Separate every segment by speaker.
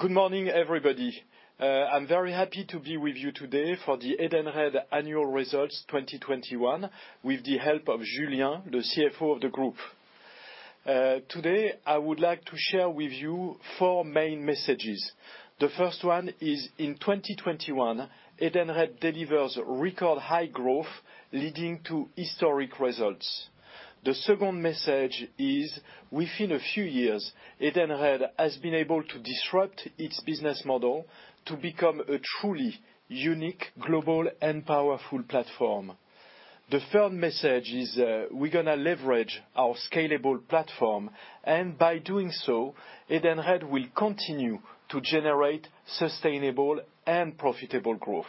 Speaker 1: Good morning, everybody. I'm very happy to be with you today for the Edenred annual results 2021 with the help of Julien, the CFO of the group. Today I would like to share with you four main messages. The first one is in 2021, Edenred delivers record high growth leading to historic results. The second message is within a few years, Edenred has been able to disrupt its business model to become a truly unique global and powerful platform. The third message is, we're gonna leverage our scalable platform, and by doing so, Edenred will continue to generate sustainable and profitable growth.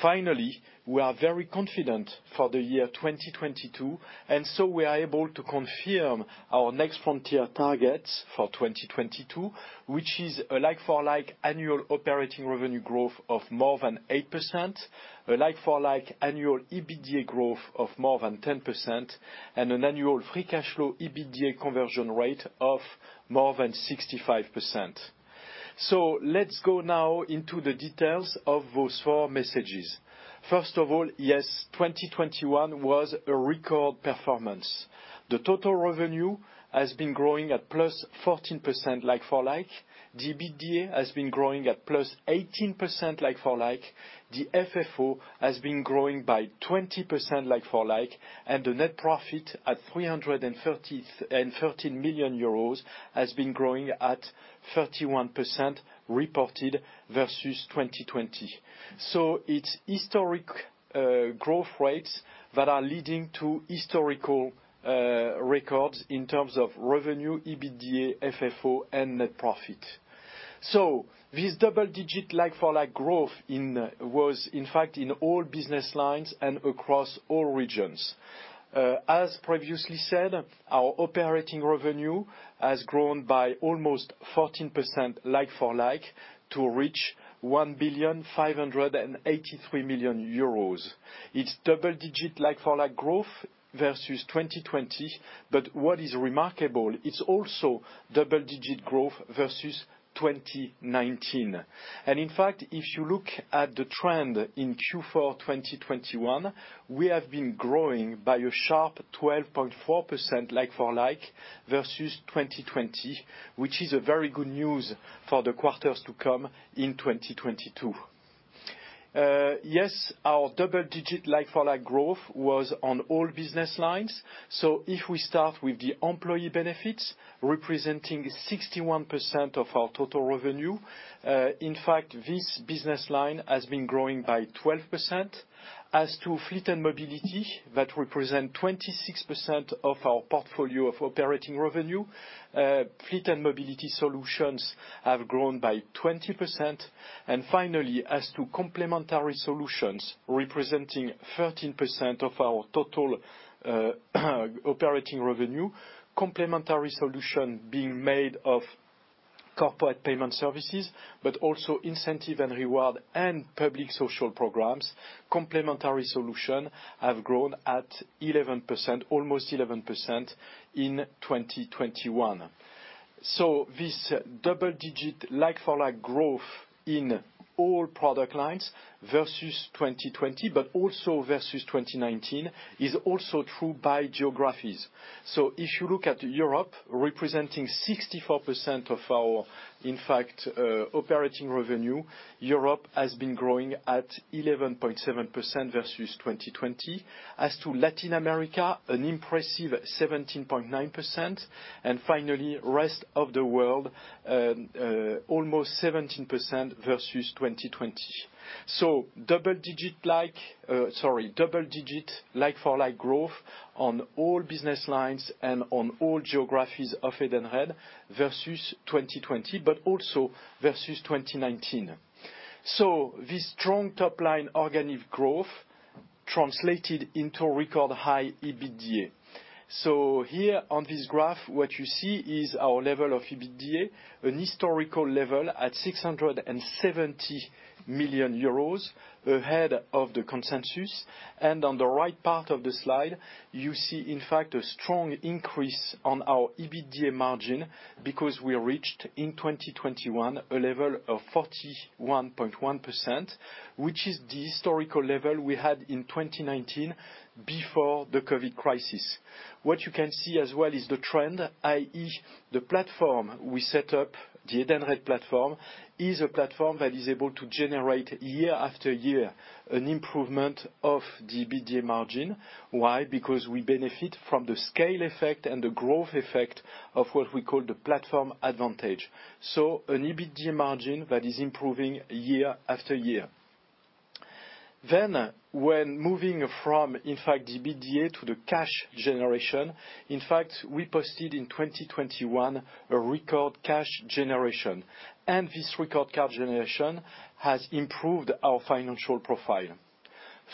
Speaker 1: Finally, we are very confident for the year 2022, and so we are able to confirm our next frontier targets for 2022, which is a like-for-like annual operating revenue growth of more than 8%. A like-for-like annual EBITDA growth of more than 10% and an annual free cash flow EBITDA conversion rate of more than 65%. Let's go now into the details of those four messages. First of all, yes, 2021 was a record performance. The total revenue has been growing at +14% like-for-like. EBITDA has been growing at +18% like-for-like. The FFO has been growing by 20% like-for-like. And the net profit at 333 million euros has been growing at 31% reported versus 2020. It's historic growth rates that are leading to historical records in terms of revenue, EBITDA, FFO, and net profit. This double-digit like-for-like growth was in fact in all business lines and across all regions. As previously said, our operating revenue has grown by almost 14% like-for-like to reach 1,583 million euros. It's double-digit like-for-like growth versus 2020, but what is remarkable, it's also double-digit growth versus 2019. In fact, if you look at the trend in Q4 2021, we have been growing by a sharp 12.4% like-for-like versus 2020, which is a very good news for the quarters to come in 2022. Our double-digit like-for-like growth was on all business lines. If we start with the employee benefits representing 61% of our total revenue, in fact, this business line has been growing by 12%. As to fleet and mobility, that represent 26% of our portfolio of operating revenue. Fleet and mobility solutions have grown by 20%. Finally, as to complementary solutions, representing 13% of our total operating revenue. Complementary solutions being made of corporate payment services, but also incentive and reward and public social programs. Complementary solutions have grown at 11%, almost 11% in 2021. This double-digit like-for-like growth in all product lines versus 2020, but also versus 2019, is also true by geographies. If you look at Europe representing 64% of our, in fact, operating revenue, Europe has been growing at 11.7% versus 2020. As to Latin America, an impressive 17.9%. Finally, rest of the world, almost 17% versus 2020. Double-digit like-for-like growth on all business lines and on all geographies of Edenred versus 2020, but also versus 2019. This strong top-line organic growth translated into record high EBITDA. Here on this graph, what you see is our level of EBITDA, a historical level at 670 million euros ahead of the consensus. On the right part of the slide, you see in fact a strong increase on our EBITDA margin because we reached in 2021 a level of 41.1%, which is the historical level we had in 2019 before the COVID crisis. What you can see as well is the trend, i.e., the platform we set up, the Edenred platform, is a platform that is able to generate year-after year an improvement of the EBITDA margin. Why? Because we benefit from the scale effect and the growth effect of what we call the platform advantage. An EBITDA margin that is improving year-after-year. When moving from, in fact, the EBITDA to the cash generation, in fact, we posted in 2021 a record cash generation, and this record cash generation has improved our financial profile.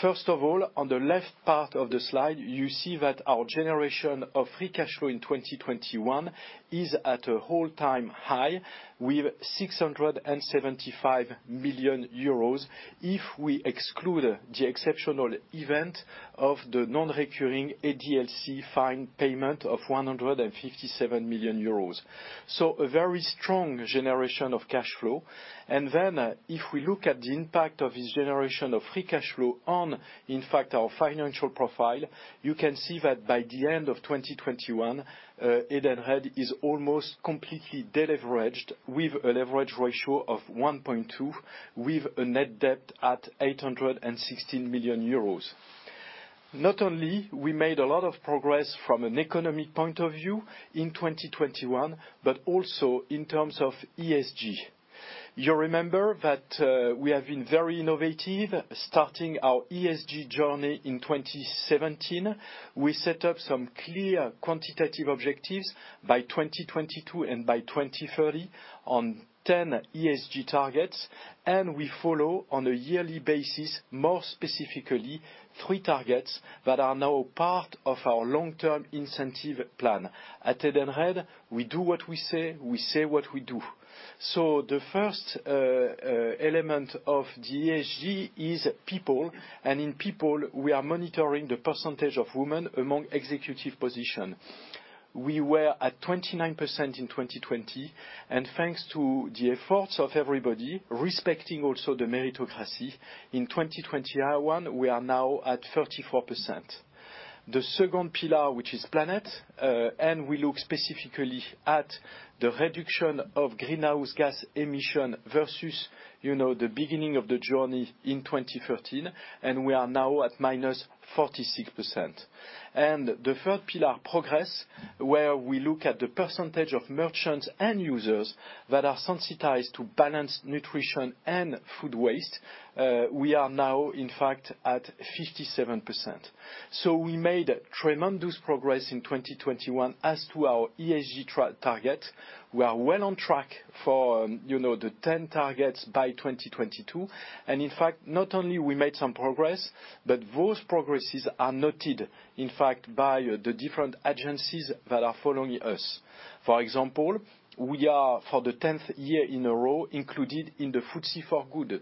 Speaker 1: First of all, on the left part of the slide, you see that our generation of free cash flow in 2021 is at an all-time high with 675 million euros, if we exclude the exceptional event of the non-recurring ADLC fine payment of 157 million euros. So a very strong generation of cash flow. If we look at the impact of this generation of free cash flow on, in fact, our financial profile, you can see that by the end of 2021, Edenred is almost completely de-leveraged with a leverage ratio of 1.2, with a net debt at 816 million euros. Not only we made a lot of progress from an economic point of view in 2021, but also in terms of ESG. You remember that, we have been very innovative starting our ESG journey in 2017. We set up some clear quantitative objectives by 2022 and by 2030 on 10 ESG targets, and we follow on a yearly basis, more specifically, three targets that are now part of our long-term incentive plan. At Edenred, we do what we say, we say what we do. So the first element of the ESG is people, and in people, we are monitoring the percentage of women among executive position. We were at 29% in 2020, and thanks to the efforts of everybody, respecting also the meritocracy, in 2021, we are now at 34%. The second pillar, which is planet, and we look specifically at the reduction of greenhouse gas emission versus, you know, the beginning of the journey in 2013, and we are now at -46%. The third pillar, progress, where we look at the percentage of merchants and users that are sensitized to balanced nutrition and food waste. We are now, in fact, at 57%. We made tremendous progress in 2021 as to our ESG target. We are well on track for, you know, the 10 targets by 2022. In fact, not only we made some progress, but those progresses are noted, in fact, by the different agencies that are following us. For example, we are, for the 10th year in a row, included in the FTSE4Good.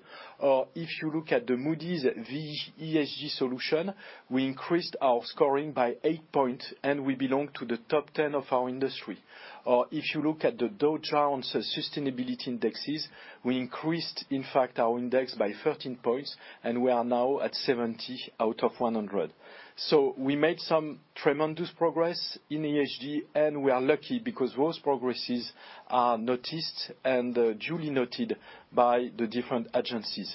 Speaker 1: If you look at the Moody's V.E. ESG solution, we increased our scoring by 8 points, and we belong to the top 10 of our industry. If you look at the Dow Jones Sustainability Indices, we increased, in fact, our index by 13 points, and we are now at 70 out of 100. We made some tremendous progress in ESG, and we are lucky because those progresses are noticed and duly noted by the different agencies.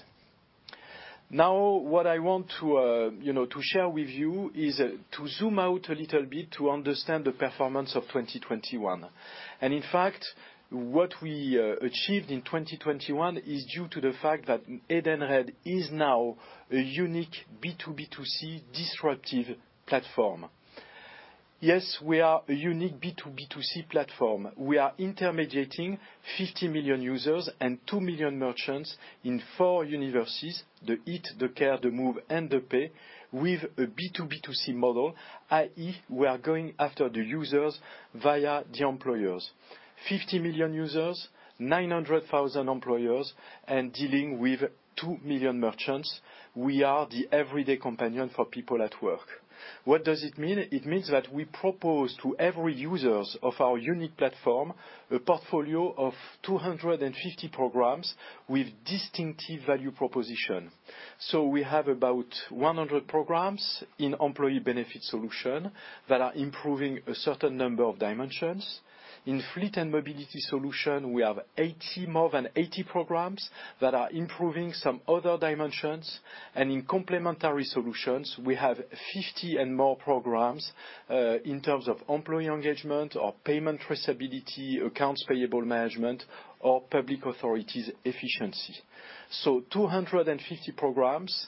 Speaker 1: Now, what I want, you know, to share with you is to zoom out a little bit to understand the performance of 2021. In fact, what we achieved in 2021 is due to the fact that Edenred is now a unique B2B2C disruptive platform. Yes, we are a unique B2B2C platform. We are intermediating 50 million users and 2 million merchants in four universes: the eat, the care, the move, and the pay with a B2B2C model, i.e., we are going after the users via the employers. 50 million users, 900,000 employers, and dealing with 2 million merchants, we are the everyday companion for people at work. What does it mean? It means that we propose to every users of our unique platform a portfolio of 250 programs with distinctive value proposition. We have about 100 programs in employee benefit solution that are improving a certain number of dimensions. In fleet and mobility solution, we have 80, more than 80 programs that are improving some other dimensions. In complementary solutions, we have 50 and more programs in terms of employee engagement or payment traceability, accounts payable management, or public authorities efficiency. 250 programs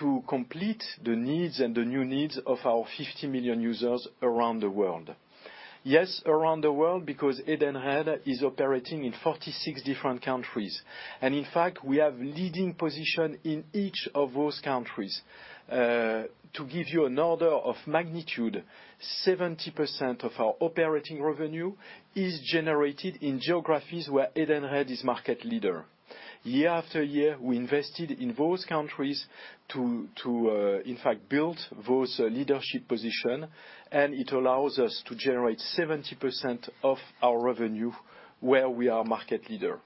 Speaker 1: to complete the needs and the new needs of our 50 million users around the world. Yes, around the world, because Edenred is operating in 46 different countries. In fact, we have leading position in each of those countries. To give you an order of magnitude, 70% of our operating revenue is generated in geographies where Edenred is market leader. Year after year, we invested in those countries to in fact build those leadership position, and it allows us to generate 70% of our revenue where we are market leader.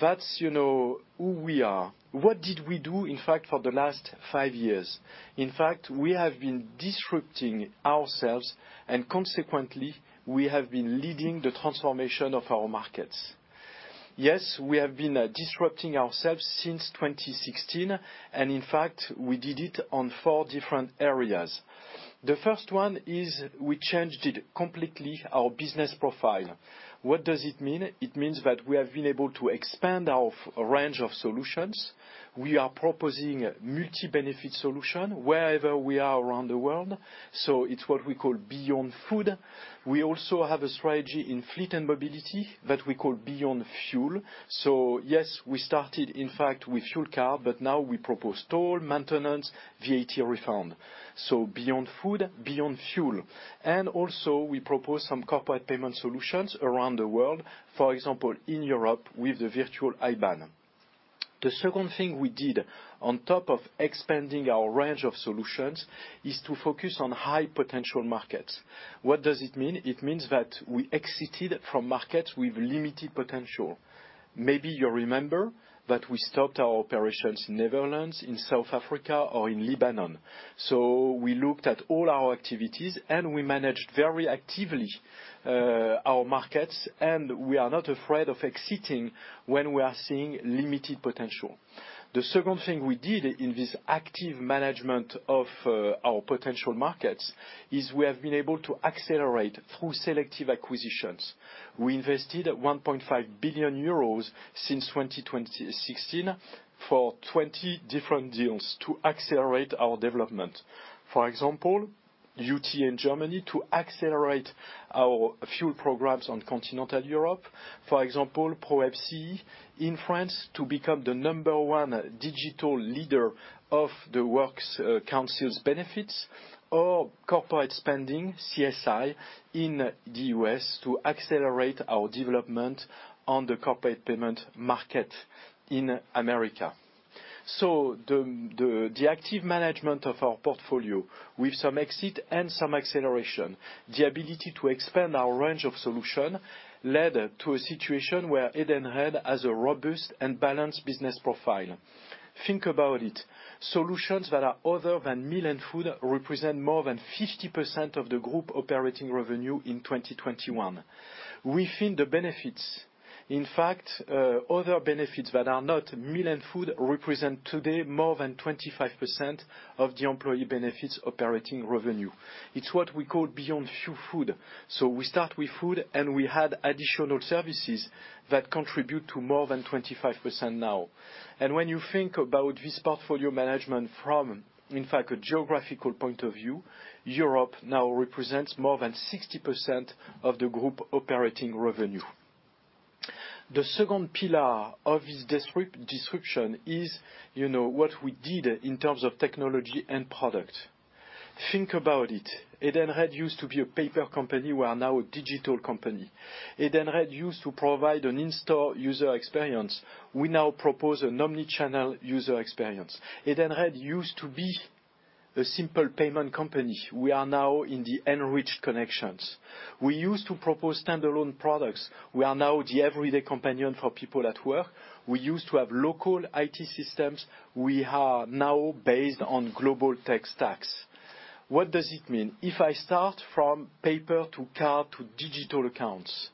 Speaker 1: That's, you know, who we are. What did we do, in fact, for the last five years? In fact, we have been disrupting ourselves, and consequently, we have been leading the transformation of our markets. Yes, we have been disrupting ourselves since 2016, and in fact, we did it on four different areas. The first one is we changed completely our business profile. What does it mean? It means that we have been able to expand our range of solutions. We are proposing multi-benefit solution wherever we are around the world. It's what we call Beyond Food. We also have a strategy in fleet and mobility that we call Beyond Fuel. Yes, we started, in fact, with fuel card, but now we propose toll, maintenance, VAT refund. Beyond Food, Beyond Fuel. We also propose some corporate payment solutions around the world, for example, in Europe with the virtual IBAN. The second thing we did on top of expanding our range of solutions is to focus on high potential markets. What does it mean? It means that we exited from markets with limited potential. Maybe you remember that we stopped our operations in Netherlands, in South Africa or in Lebanon. We looked at all our activities, and we managed very actively our markets, and we are not afraid of exiting when we are seeing limited potential. The second thing we did in this active management of our potential markets is we have been able to accelerate through selective acquisitions. We invested 1.5 billion euros since 2016 for 20 different deals to accelerate our development. For example, UTA in Germany to accelerate our fuel programs on continental Europe. For example, ProwebCE in France to become the number one digital leader of the works council's benefits or corporate spending, CSI, in the U.S. to accelerate our development on the corporate payment market in America. The active management of our portfolio with some exit and some acceleration, the ability to expand our range of solution led to a situation where Edenred has a robust and balanced business profile. Think about it. Solutions that are other than meal and food represent more than 50% of the group operating revenue in 2021. We feel the benefits. In fact, other benefits that are not meal and food represent today more than 25% of the employee benefits operating revenue. It's what we call Beyond Food. We start with food, and we add additional services that contribute to more than 25% now. When you think about this portfolio management from, in fact, a geographical point of view, Europe now represents more than 60% of the group operating revenue. The second pillar of this description is, you know, what we did in terms of technology and product. Think about it. Edenred used to be a paper company. We are now a digital company. Edenred used to provide an in-store user experience. We now propose an omnichannel user experience. Edenred used to be a simple payment company. We are now in the enriched connections. We used to propose standalone products. We are now the everyday companion for people at work. We used to have local IT systems. We are now based on global tech stacks. What does it mean? If I start from paper to card to digital accounts,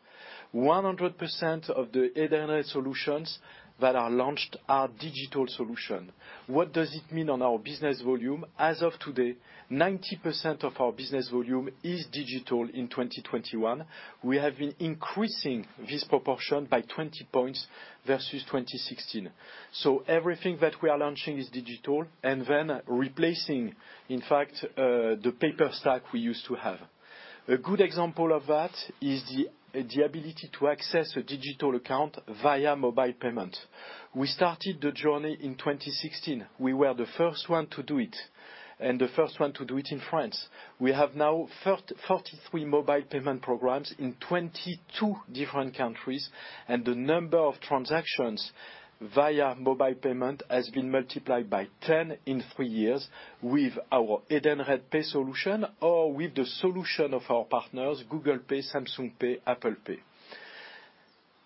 Speaker 1: 100% of the Edenred solutions that are launched are digital solutions. What does it mean on our business volume? As of today, 90% of our business volume is digital in 2021. We have been increasing this proportion by 20 points versus 2016. Everything that we are launching is digital and then replacing, in fact, the paper stack we used to have. A good example of that is the ability to access a digital account via mobile payment. We started the journey in 2016. We were the first one to do it, and the first one to do it in France. We have now 43 mobile payment programs in 22 different countries, and the number of transactions via mobile payment has been multiplied by 10 in three years with our Edenred Pay solution or with the solution of our partners Google Pay, Samsung Pay, Apple Pay.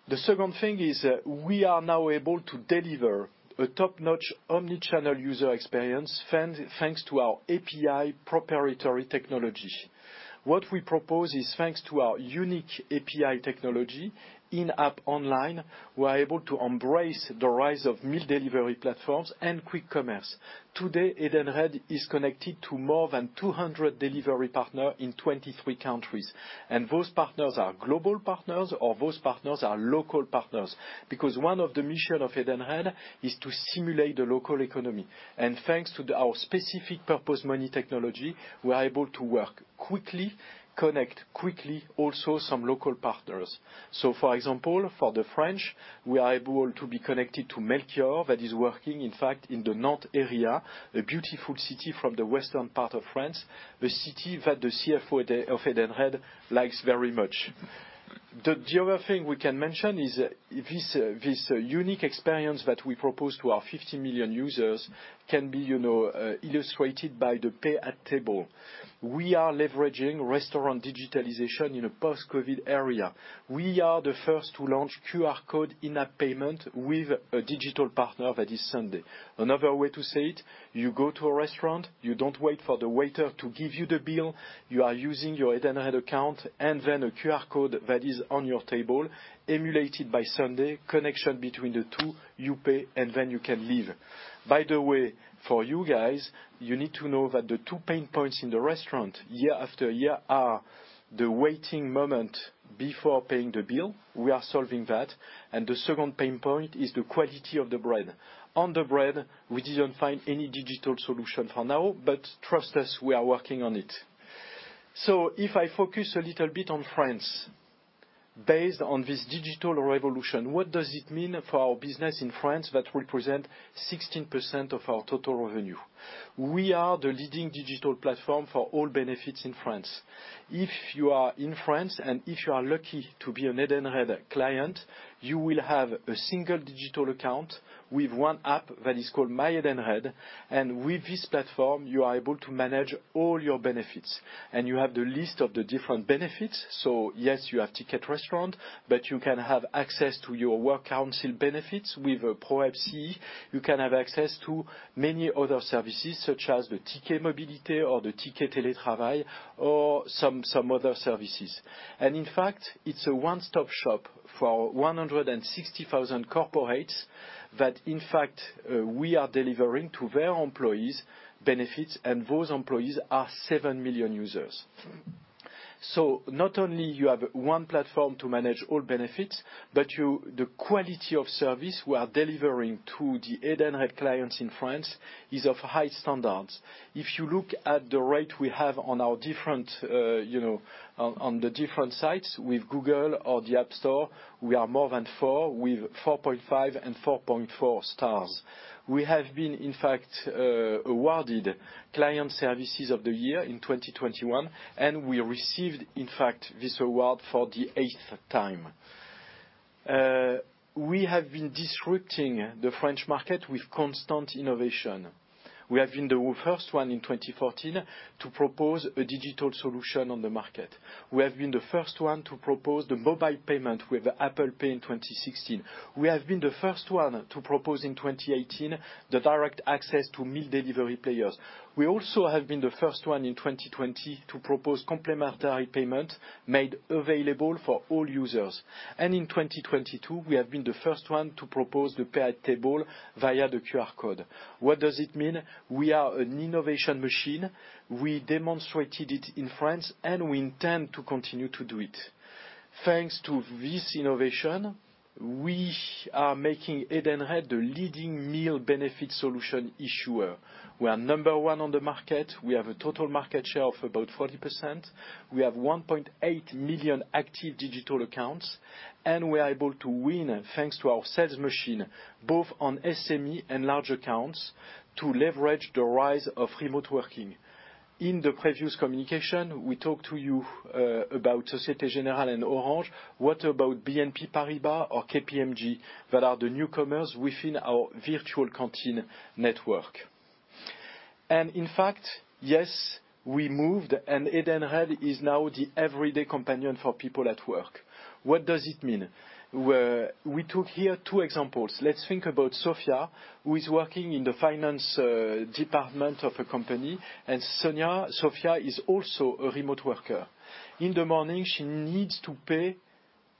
Speaker 1: The second thing is we are now able to deliver a top-notch omnichannel user experience thanks to our proprietary API technology. What we propose is thanks to our unique API technology in-app online, we're able to embrace the rise of meal delivery platforms and quick commerce. Today, Edenred is connected to more than 200 delivery partners in 23 countries, and those partners are global partners or those partners are local partners. Because one of the missions of Edenred is to stimulate the local economy. Thanks to our specific purpose money technology, we're able to work quickly, connect quickly, also some local partners. For example, for the French, we are able to be connected to Melchior that is working, in fact, in the north area, a beautiful city from the western part of France, the city that the CFO of Edenred likes very much. The other thing we can mention is this unique experience that we propose to our 50 million users can be illustrated by the pay at table. We are leveraging restaurant digitalization in a post-COVID era. We are the first to launch QR code in-app payment with a digital partner that is sunday. Another way to say it, you go to a restaurant, you don't wait for the waiter to give you the bill. You are using your Edenred account and then a QR code that is on your table mediated by sunday, connection between the two, you pay, and then you can leave. By the way, for you guys, you need to know that the two pain points in the restaurant year after year are the waiting moment before paying the bill. We are solving that. The second pain point is the quality of the bread. On the bread, we didn't find any digital solution for now, but trust us, we are working on it. If I focus a little bit on France, based on this digital revolution, what does it mean for our business in France that represents 16% of our total revenue? We are the leading digital platform for all benefits in France. If you are in France, and if you are lucky to be an Edenred client, you will have a single digital account with one app that is called MyEdenred. With this platform, you are able to manage all your benefits, and you have the list of the different benefits. Yes, you have Ticket Restaurant, but you can have access to your works council benefits with ProwebCE. You can have access to many other services, such as the Ticket Mobilité or the Ticket Télétravail or some other services. In fact, it's a one-stop shop for 160,000 corporates that we are delivering to their employees benefits, and those employees are 7 million users. Not only you have one platform to manage all benefits, but the quality of service we are delivering to the Edenred clients in France is of high standards. If you look at the rate we have on our different sites with Google or the App Store, we are more than four, with 4.5 and 4.4 stars. We have been awarded Client Services of the Year in 2021, and we received this award for the eighth time. We have been disrupting the French market with constant innovation. We have been the first one in 2014 to propose a digital solution on the market. We have been the first one to propose the mobile payment with Apple Pay in 2016. We have been the first one to propose in 2018 the direct access to meal delivery players. We also have been the first one in 2020 to propose complimentary payment made available for all users. In 2022, we have been the first one to propose the pay at table via the QR code. What does it mean? We are an innovation machine. We demonstrated it in France, and we intend to continue to do it. Thanks to this innovation, we are making Edenred the leading meal benefit solution issuer. We are number one on the market. We have a total market share of about 40%. We have 1.8 million active digital accounts, and we are able to win, thanks to our sales machine, both on SME and large accounts, to leverage the rise of remote working. In the previous communication, we talked to you about Société Générale and Orange. What about BNP Paribas or KPMG? That are the newcomers within our virtual canteen network. In fact, yes, we moved, and Edenred is now the everyday companion for people at work. What does it mean? We took here two examples. Let's think about Sofia, who is working in the finance department of a company, and Sofia is also a remote worker. In the morning, she needs to pay,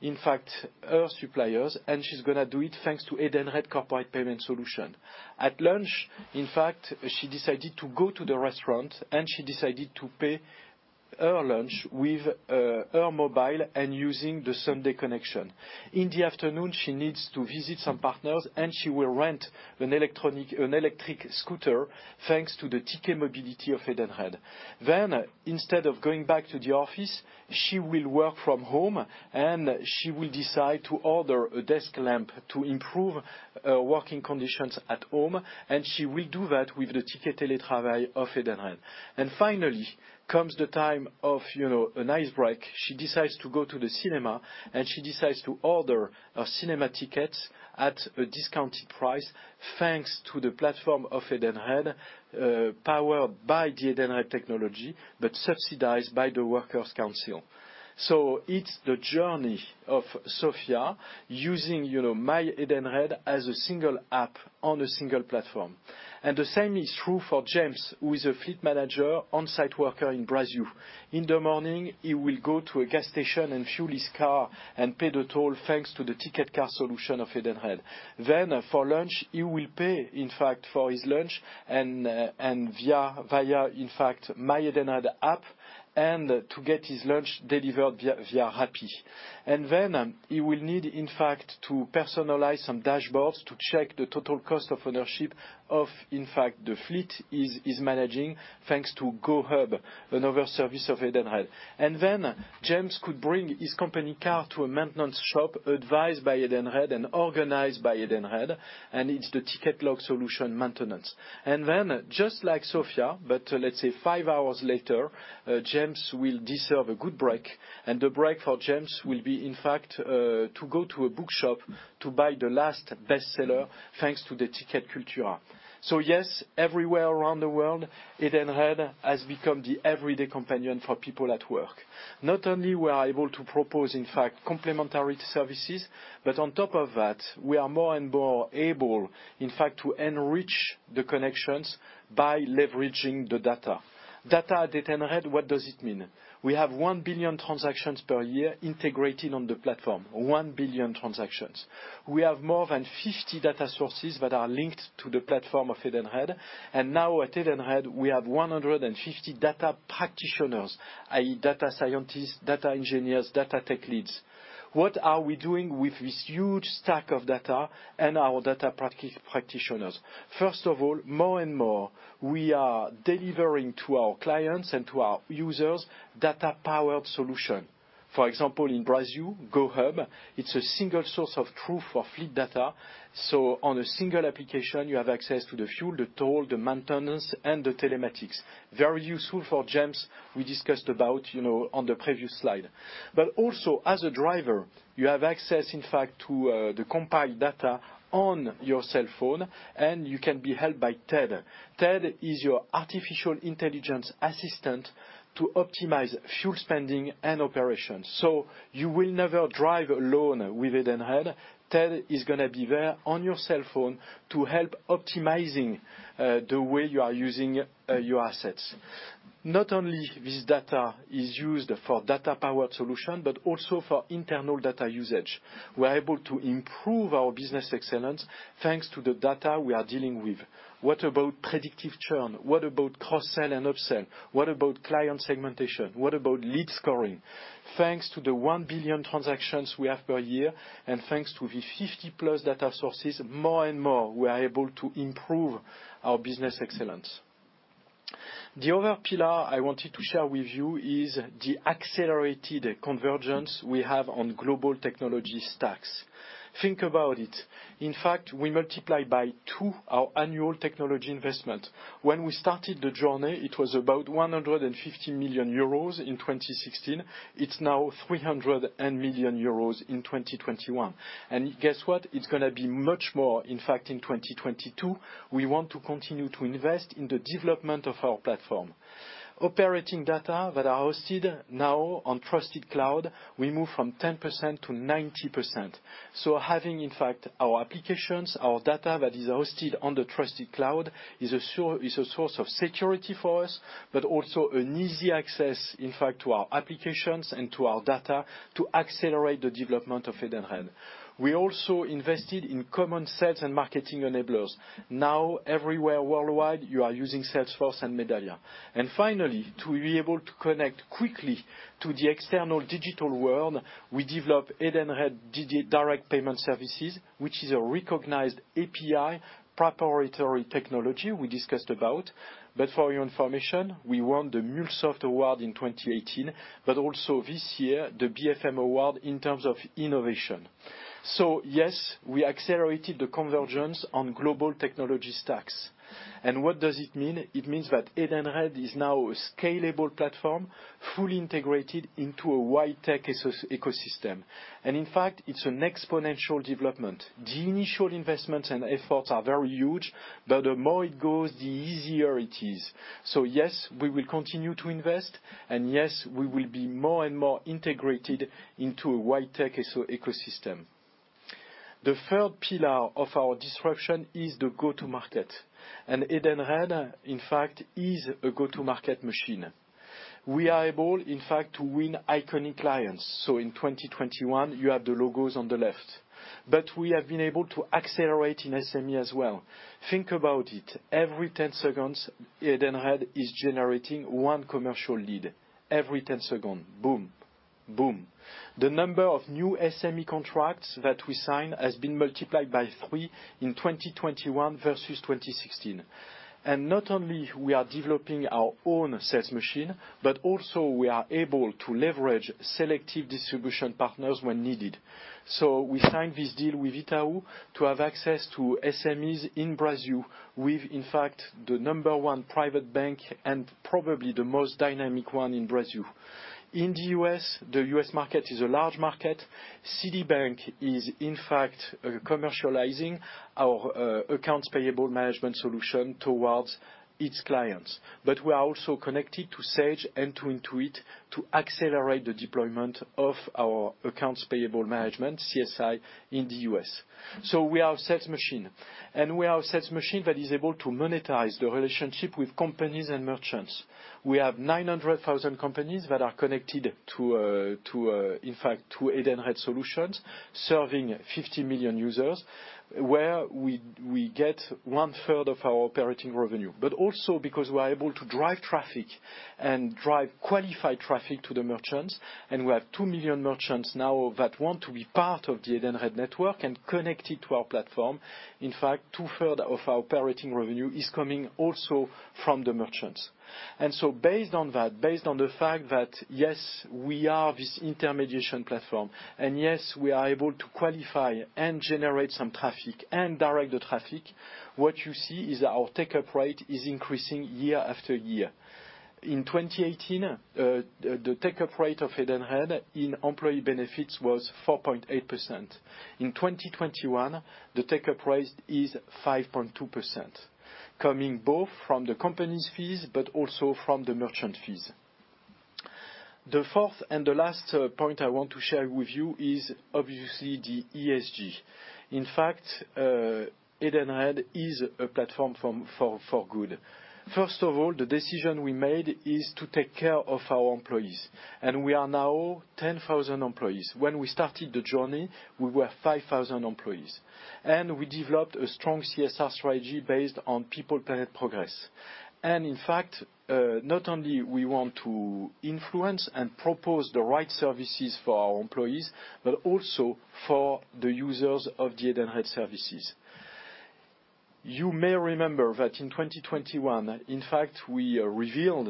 Speaker 1: in fact, her suppliers, and she's gonna do it thanks to Edenred corporate payment solution. At lunch, in fact, she decided to go to the restaurant, and she decided to pay her lunch with her mobile and using the sunday connection. In the afternoon, she needs to visit some partners, and she will rent an electric scooter thanks to the Ticket Mobilité of Edenred. Then, instead of going back to the office, she will work from home, and she will decide to order a desk lamp to improve working conditions at home, and she will do that with the Ticket Télétravail of Edenred. Finally comes the time of, you know, an ice break. She decides to go to the cinema, and she decides to order a cinema ticket at a discounted price thanks to the platform of Edenred, powered by the Edenred technology, but subsidized by the workers' council. It's the journey of Sofia using, you know, MyEdenred as a single app on a single platform. The same is true for James, who is a fleet manager, on-site worker in Brazil. In the morning, he will go to a gas station and fuel his car and pay the toll thanks to the Ticket Car solution of Edenred. For lunch, he will pay, in fact, for his lunch and via, in fact, MyEdenred app and to get his lunch delivered via iFood. He will need, in fact, to personalize some dashboards to check the total cost of ownership of, in fact, the fleet he is managing thanks to GoHub, another service of Edenred. James could bring his company car to a maintenance shop advised by Edenred and organized by Edenred, and it's the Ticket Log solution maintenance. Just like Sofia, but let's say five hours later, James will deserve a good break, and the break for James will be, in fact, to go to a bookshop to buy the last bestseller thanks to the Ticket Cultura. Yes, everywhere around the world, Edenred has become the everyday companion for people at work. Not only we are able to propose, in fact, complimentary services, but on top of that, we are more and more able, in fact, to enrich the connections by leveraging the data. Data at Edenred, what does it mean? We have 1 billion transactions per year integrated on the platform. We have more than 50 data sources that are linked to the platform of Edenred. Now at Edenred, we have 150 data practitioners, i.e., data scientists, data engineers, data tech leads. What are we doing with this huge stack of data and our data practitioners? First of all, more and more, we are delivering to our clients and to our users data-powered solution. For example, in Brazil, GoHub, it's a single source of truth for fleet data. On a single application, you have access to the fuel, the toll, the maintenance, and the telematics. Very useful for GMs we discussed about, you know, on the previous slide. Also, as a driver, you have access, in fact, to the compiled data on your cell phone, and you can be helped by TED. TED is your artificial intelligence assistant to optimize fuel spending and operations. You will never drive alone with Edenred. TED is gonna be there on your cell phone to help optimizing the way you are using your assets. Not only this data is used for data-powered solution, but also for internal data usage. We're able to improve our business excellence thanks to the data we are dealing with. What about predictive churn? What about cross-sell and upsell? What about client segmentation? What about lead scoring? Thanks to the 1 billion transactions we have per year and thanks to the 50+ data sources, more and more we are able to improve our business excellence. The other pillar I wanted to share with you is the accelerated convergence we have on global technology stacks. Think about it. In fact, we multiply by two our annual technology investment. When we started the journey, it was about 150 million euros in 2016. It's now 300 million euros in 2021. Guess what? It's gonna be much more, in fact, in 2022. We want to continue to invest in the development of our platform. Operating data that are hosted now on trusted cloud, we move from 10% to 90%. Having, in fact, our applications, our data that is hosted on the trusted cloud is a source of security for us, but also an easy access, in fact, to our applications and to our data to accelerate the development of Edenred. We also invested in common sales and marketing enablers. Now, everywhere worldwide, you are using Salesforce and Medallia. Finally, to be able to connect quickly to the external digital world, we developed Edenred Direct Payment Services, which is a recognized API proprietary technology we discussed about. For your information, we won the MuleSoft Award in 2018, but also this year, the BFM Award in terms of innovation. Yes, we accelerated the convergence on global technology stacks. What does it mean? It means that Edenred is now a scalable platform, fully integrated into a wide tech ecosystem. In fact, it's an exponential development. The initial investments and efforts are very huge, but the more it goes, the easier it is. Yes, we will continue to invest, and yes, we will be more and more integrated into a wide tech ecosystem. The third pillar of our disruption is the go-to-market. Edenred, in fact, is a go-to-market machine. We are able, in fact, to win iconic clients. In 2021, you have the logos on the left. We have been able to accelerate in SME as well. Think about it. Every 10 seconds, Edenred is generating one commercial lead. Every 10 seconds. Boom, boom. The number of new SME contracts that we sign has been multiplied by three in 2021 versus 2016. Not only we are developing our own sales machine, but also we are able to leverage selective distribution partners when needed. We signed this deal with Itaú to have access to SMEs in Brazil with, in fact, the number one private bank and probably the most dynamic one in Brazil. In the U.S. the U.S. market is a large market. Citibank is, in fact, commercializing our accounts payable management solution towards its clients. We are also connected to Sage and to Intuit to accelerate the deployment of our accounts payable management, CSI, in the U.S. We are a sales machine, and we are a sales machine that is able to monetize the relationship with companies and merchants. We have 900,000 companies that are connected to, in fact, to Edenred solutions, serving 50 million users, where we get 1/3 of our operating revenue. Also because we're able to drive traffic and drive qualified traffic to the merchants, and we have 2 million merchants now that want to be part of the Edenred network and connected to our platform, in fact, 2/3 of our operating revenue is coming also from the merchants. Based on that, based on the fact that, yes, we are this intermediation platform, and yes, we are able to qualify and generate some traffic and direct the traffic, what you see is our take-up rate is increasing year after year. In 2018, the take-up rate of Edenred in employee benefits was 4.8%. In 2021, the take-up rate is 5.2%, coming both from the company's fees, but also from the merchant fees. The fourth and the last point I want to share with you is obviously the ESG. In fact, Edenred is a platform for good. First of all, the decision we made is to take care of our employees. We are now 10,000 employees. When we started the journey, we were 5,000 employees. We developed a strong CSR strategy based on people, planet, progress. In fact, not only we want to influence and propose the right services for our employees, but also for the users of the Edenred services. You may remember that in 2021, in fact, we revealed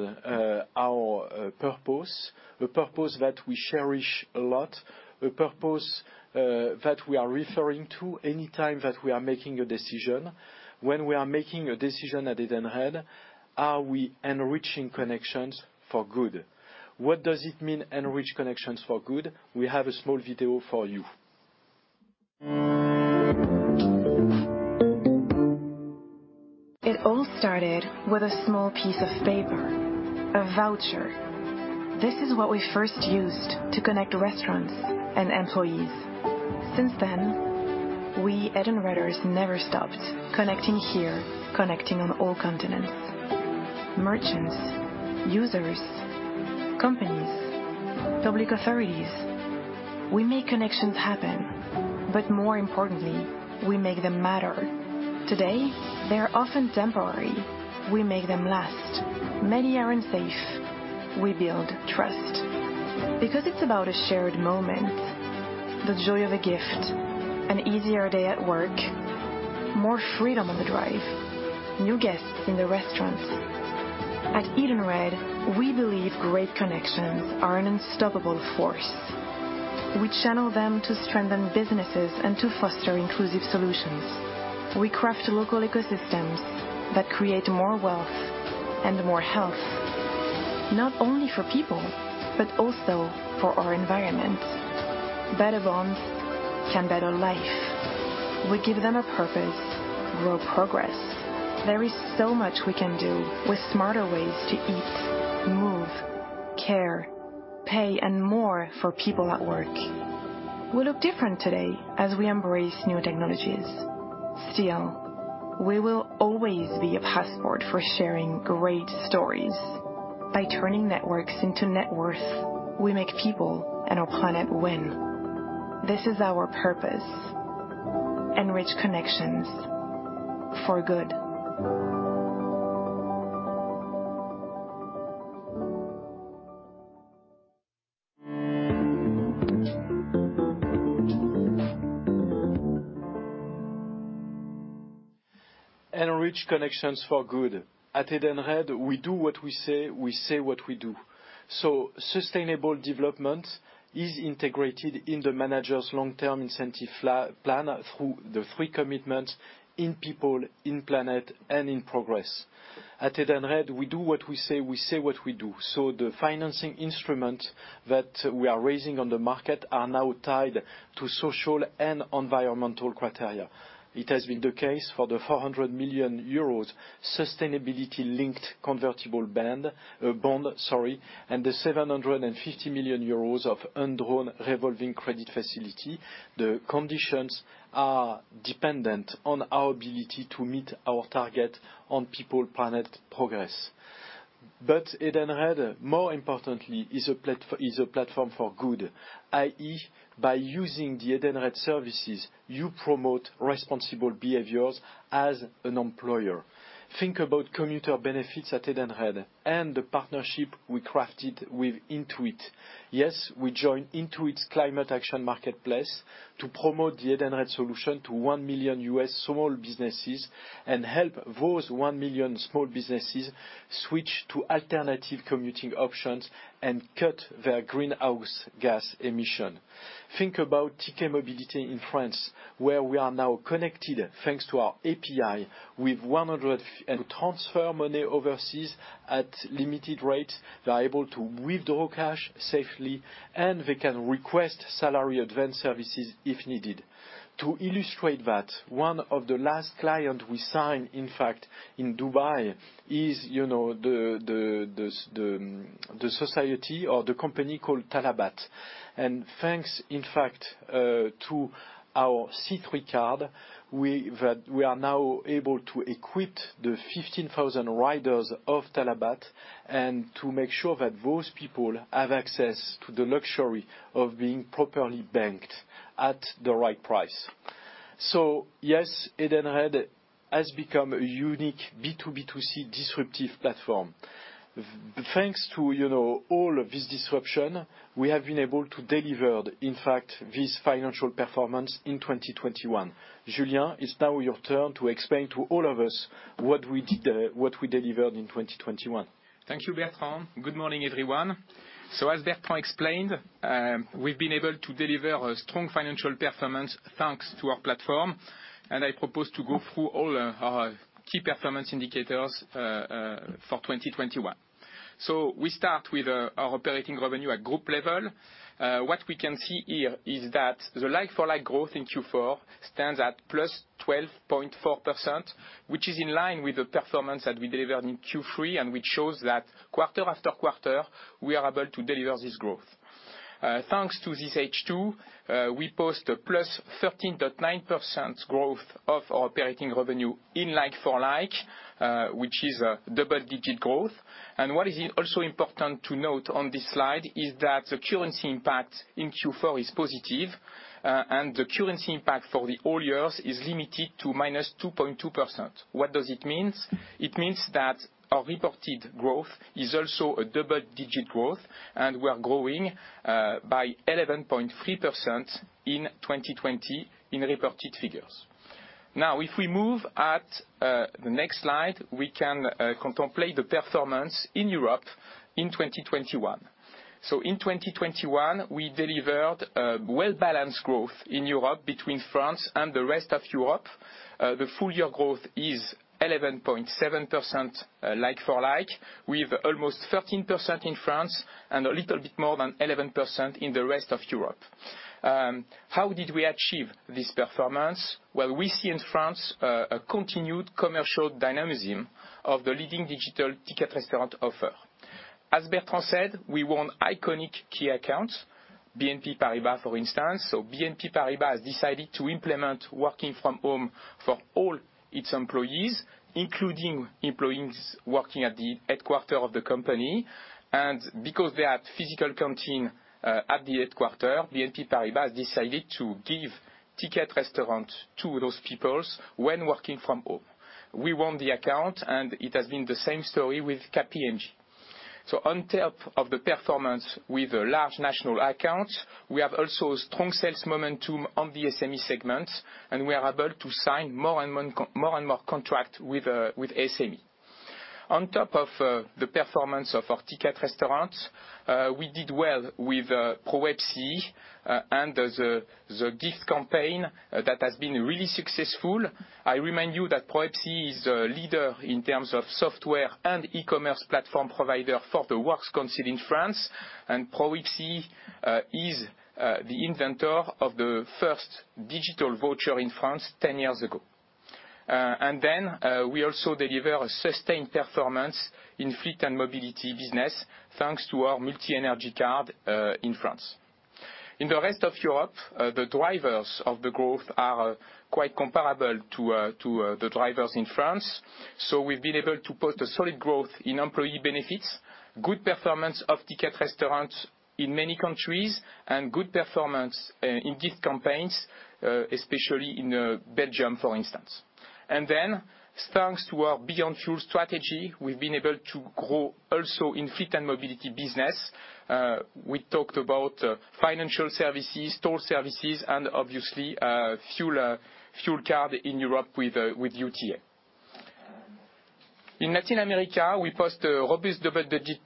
Speaker 1: our purpose, the purpose that we cherish a lot, a purpose that we are referring to any time that we are making a decision. When we are making a decision at Edenred, are we enriching connections for good? What does it mean, enrich connections for good? We have a small video for you.
Speaker 2: It all started with a small piece of paper, a voucher. This is what we first used to connect restaurants and employees. Since then, we, Edenreders never stopped connecting here, connecting on all continents. Merchants, users, companies, public authorities. We make connections happen, but more importantly, we make them matter. Today, they are often temporary. We make them last. Many are unsafe. We build trust. Because it's about a shared moment, the joy of a gift, an easier day at work, more freedom on the drive, new guests in the restaurants. At Edenred, we believe great connections are an unstoppable force. We channel them to strengthen businesses and to foster inclusive solutions. We craft local ecosystems that create more wealth and more health, not only for people, but also for our environment. Better bonds can better life. We give them a purpose, grow progress. There is so much we can do with smarter ways to eat, move, care, pay, and more for people at work. We look different today as we embrace new technologies. Still, we will always be a passport for sharing great stories. By turning networks into net worth, we make people and our planet win. This is our purpose. Enrich connections for good.
Speaker 1: Enrich connections for good. At Edenred, we do what we say, we say what we do. Sustainable development is integrated in the managers long-term incentive plan through the three commitments in people, in planet, and in progress. At Edenred, we do what we say, we say what we do. The financing instrument that we are raising on the market are now tied to social and environmental criteria. It has been the case for the 400 million euros sustainability-linked convertible bond and the 750 million euros of undrawn revolving credit facility. The conditions are dependent on our ability to meet our target on people-planet progress. Edenred, more importantly, is a platform for good, i.e. by using the Edenred services, you promote responsible behaviors as an employer. Think about commuter benefits at Edenred and the partnership we crafted with Intuit. Yes, we joined Intuit's climate action marketplace to promote the Edenred solution to 1 million U.S. small businesses and help those 1 million small businesses switch to alternative commuting options and cut their greenhouse gas emission. Think about Ticket Mobilité in France, where we are now connected, thanks to our API. Transfer money overseas at limited rates. They're able to withdraw cash safely, and they can request salary advance services if needed. To illustrate that, one of the last client we signed, in fact, in Dubai is, you know, the society or the company called Talabat. Thanks, in fact, to our C3Pay, we... That we are now able to equip the 15,000 riders of Talabat and to make sure that those people have access to the luxury of being properly banked at the right price. Yes, Edenred has become a unique B2B2C disruptive platform. Thanks to, you know, all of this disruption, we have been able to deliver, in fact, this financial performance in 2021. Julien, it's now your turn to explain to all of us what we did, what we delivered in 2021.
Speaker 3: Thank you, Bertrand. Good morning, everyone. As Bertrand explained, we've been able to deliver a strong financial performance thanks to our platform, and I propose to go through all our key performance indicators for 2021. We start with our operating revenue at group level. What we can see here is that the like-for-like growth in Q4 stands at +12.4%, which is in line with the performance that we delivered in Q3, and which shows that quarter after quarter, we are able to deliver this growth. Thanks to this H2, we post a +13.9% growth of our operating revenue in like-for-like, which is a double-digit growth. What is also important to note on this slide is that the currency impact in Q4 is positive, and the currency impact for the whole year is limited to -2.2%. What does it mean? It means that our reported growth is also a double-digit growth, and we are growing by 11.3% in 2020 in reported figures. Now, if we move to the next slide, we can contemplate the performance in Europe in 2021. In 2021, we delivered well-balanced growth in Europe between France and the rest of Europe. The full year growth is 11.7% like-for-like, with almost 13% in France and a little bit more than 11% in the rest of Europe. How did we achieve this performance? Well, we see in France a continued commercial dynamism of the leading digital Ticket Restaurant offer. As Bertrand said, we won iconic key accounts, BNP Paribas, for instance. BNP Paribas has decided to implement working from home for all its employees, including employees working at the headquarters of the company. Because they had physical canteen at the headquarters, BNP Paribas decided to give Ticket Restaurant to those people when working from home. We won the account, and it has been the same story with KPMG. On top of the performance with a large national account, we have also strong sales momentum on the SME segment, and we are able to sign more and more contracts with SME. On top of the performance of our Ticket Restaurant, we did well with ProwebCE and the gift campaign that has been really successful. I remind you that ProwebCE is a leader in terms of software and e-commerce platform provider for the works council in France, and ProwebCE is the inventor of the first digital voucher in France ten years ago. We also deliver a sustained performance in fleet and mobility business, thanks to our multi-energy card in France. In the rest of Europe, the drivers of the growth are quite comparable to the drivers in France. We've been able to post a solid growth in employee benefits, good performance of Ticket Restaurant in many countries, and good performance in gift campaigns, especially in Belgium, for instance. Thanks to our Beyond Fuel strategy, we've been able to grow also in fleet and mobility business. We talked about financial services, toll services, and obviously fuel card in Europe with UTA. In Latin America, we post a robust double-digit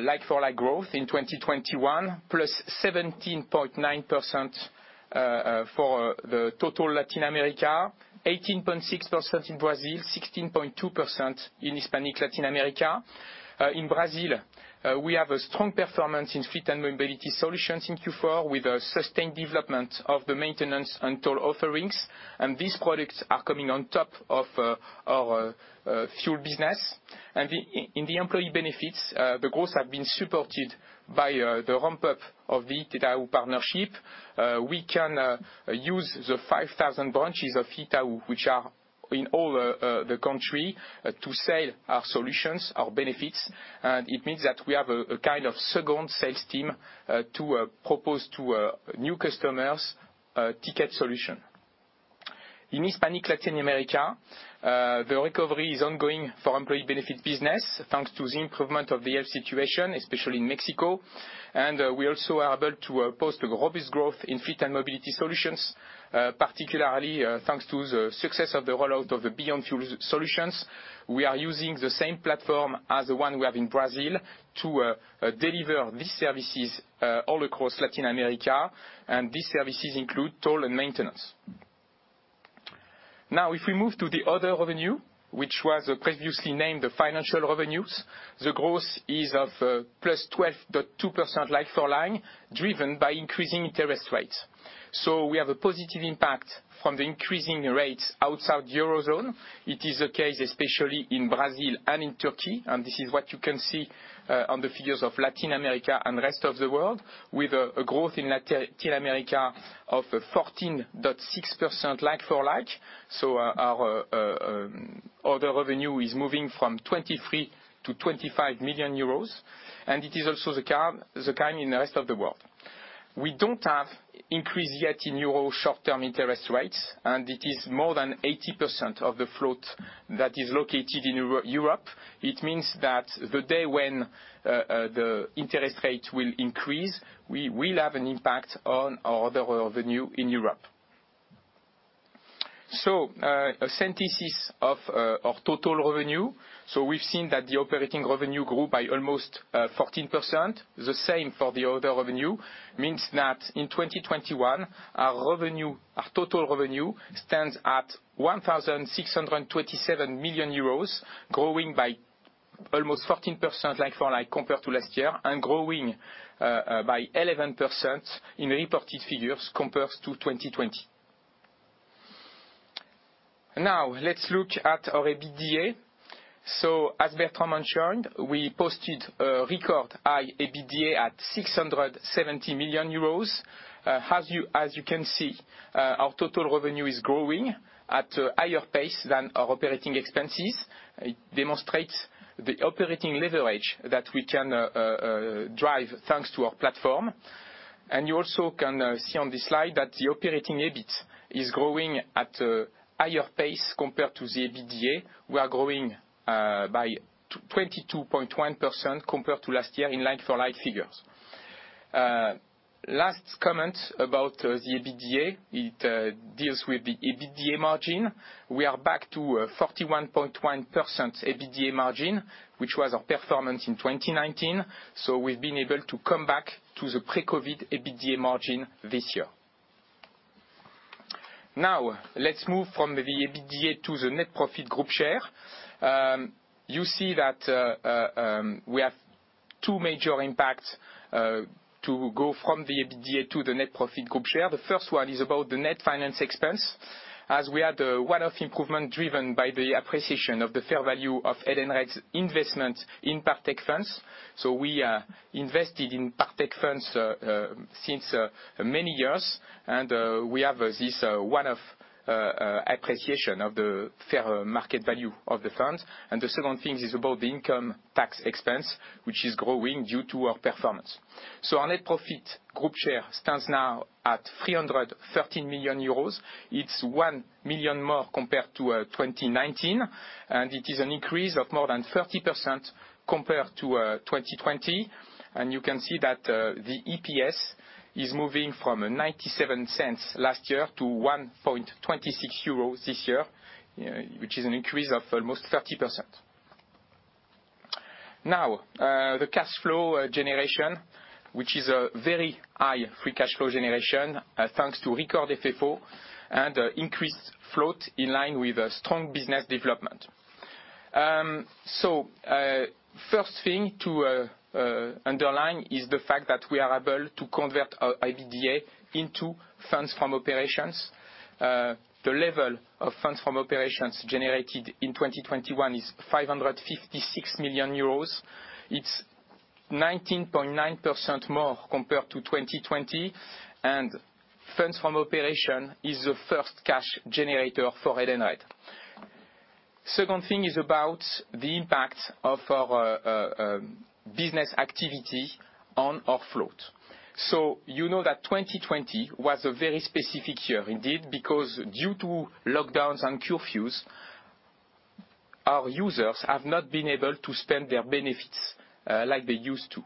Speaker 3: like-for-like growth in 2021, +17.9% for the total Latin America, 18.6% in Brazil, 16.2% in Hispanic Latin America. In Brazil, we have a strong performance in fleet and mobility solutions in Q4 with a sustained development of the maintenance and toll offerings, and these products are coming on top of our fuel business. In the employee benefits, the growth have been supported by the ramp-up of the Itaú partnership. We can use the 5,000 branches of Itaú, which are in all the country, to sell our solutions, our benefits. It means that we have a kind of second sales team to propose to new customers a ticket solution. In Hispanic Latin America, the recovery is ongoing for employee benefit business, thanks to the improvement of the health situation, especially in Mexico. We also are able to post a robust growth in fleet and mobility solutions, particularly, thanks to the success of the rollout of the Beyond Fuel solutions. We are using the same platform as the one we have in Brazil to deliver these services all across Latin America, and these services include toll and maintenance. If we move to the other revenue, which was previously named the financial revenues, the growth is +12.2% like-for-like, driven by increasing interest rates. We have a positive impact from the increasing rates outside the Eurozone. It is the case especially in Brazil and in Turkey, and this is what you can see on the figures of Latin America and the rest of the world with a growth in Latin America of 14.6% like-for-like. Our other revenue is moving from 23 million to 25 million euros, and it is also the kind in the rest of the world. We don't have increase yet in euro short-term interest rates, and it is more than 80% of the float that is located in Europe. It means that the day when the interest rate will increase, we will have an impact on our other revenue in Europe. A synthesis of total revenue. We've seen that the operating revenue grew by almost 14%. The same for the other revenue means that in 2021, our revenue, our total revenue stands at 1,627 million euros, growing by almost 14% like for like compared to last year and growing by 11% in reported figures compared to 2020. Now let's look at our EBITDA. As Bertrand mentioned, we posted a record high EBITDA at 670 million euros. As you can see, our total revenue is growing at a higher pace than our operating expenses. It demonstrates the operating leverage that we can drive thanks to our platform. You also can see on this slide that the operating EBIT is growing at a higher pace compared to the EBITDA. We are growing by 22.1% compared to last year in like-for-like figures. Last comment about the EBITDA. It deals with the EBITDA margin. We are back to 41.1% EBITDA margin, which was our performance in 2019. We've been able to come back to the pre-COVID EBITDA margin this year. Now let's move from the EBITDA to the net profit group share. You see that we have two major impacts to go from the EBITDA to the net profit group share. The first one is about the net finance expense, as we had a one-off improvement driven by the appreciation of the fair value of Edenred's investment in Partech Funds. We are invested in Partech Funds since many years. We have this one-off appreciation of the fair market value of the funds. The second thing is about the income tax expense, which is growing due to our performance. Our net profit group share stands now at 313 million euros. It's 1 million more compared to 2019, and it is an increase of more than 30% compared to 2020. You can see that the EPS is moving from 0.97 last year to 1.26 euros this year, which is an increase of almost 30%. Now, the cash flow generation, which is a very high free cash flow generation, thanks to record FFO and increased float in line with a strong business development. First thing to underline is the fact that we are able to convert our EBITDA into funds from operations. The level of funds from operations generated in 2021 is 556 million euros. It's 19.9% more compared to 2020. Funds from operation is the first cash generator for Edenred. Second thing is about the impact of our business activity on our float. You know that 2020 was a very specific year indeed, because due to lockdowns and curfews, our users have not been able to spend their benefits, like they used to.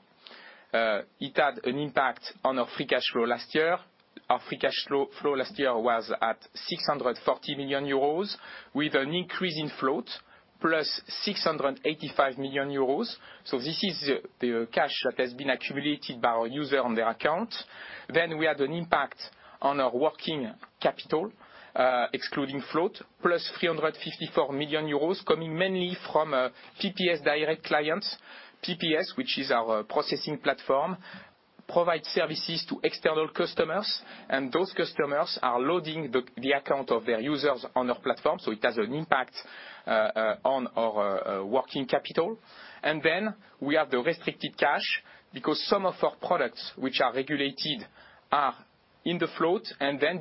Speaker 3: It had an impact on our free cash flow last year. Our free cash flow last year was at 640 million euros, with an increase in float +685 million euros. This is the cash that has been accumulated by our user on their account. We had an impact on our working capital, excluding float +354 million euros, coming mainly from PPS direct clients. PPS, which is our processing platform, provides services to external customers, and those customers are loading the account of their users on our platform. It has an impact on our working capital. We have the restricted cash because some of our products which are regulated are in the float.